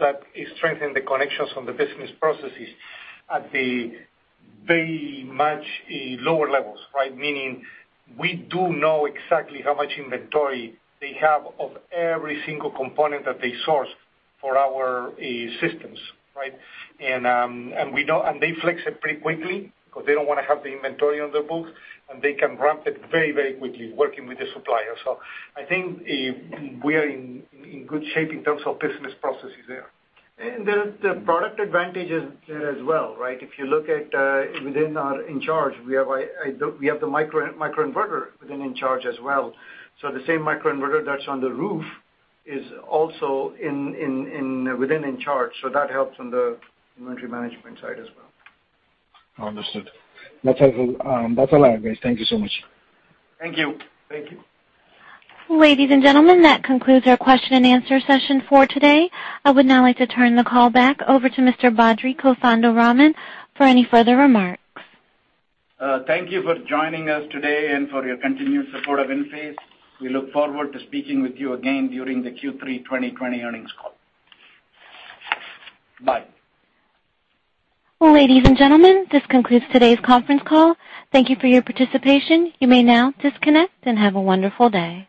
That strengthened the connections on the business processes at the very much lower levels. Meaning, we do know exactly how much inventory they have of every single component that they source for our systems. They flex it pretty quickly because they don't want to have the inventory on their books, and they can ramp it very quickly working with the supplier. I think we are in good shape in terms of business processes there. The product advantage is there as well. If you look at within our Encharge, we have the microinverter within Encharge as well. The same microinverter that's on the roof is also within Encharge. That helps on the inventory management side as well. Understood. That's all I have, guys. Thank you so much. Thank you. Thank you. Ladies and gentlemen, that concludes our question and answer session for today. I would now like to turn the call back over to Mr. Badri Kothandaraman for any further remarks. Thank you for joining us today and for your continued support of Enphase. We look forward to speaking with you again during the Q3 2020 earnings call. Bye. Ladies and gentlemen, this concludes today's conference call. Thank you for your participation. You may now disconnect, have a wonderful day.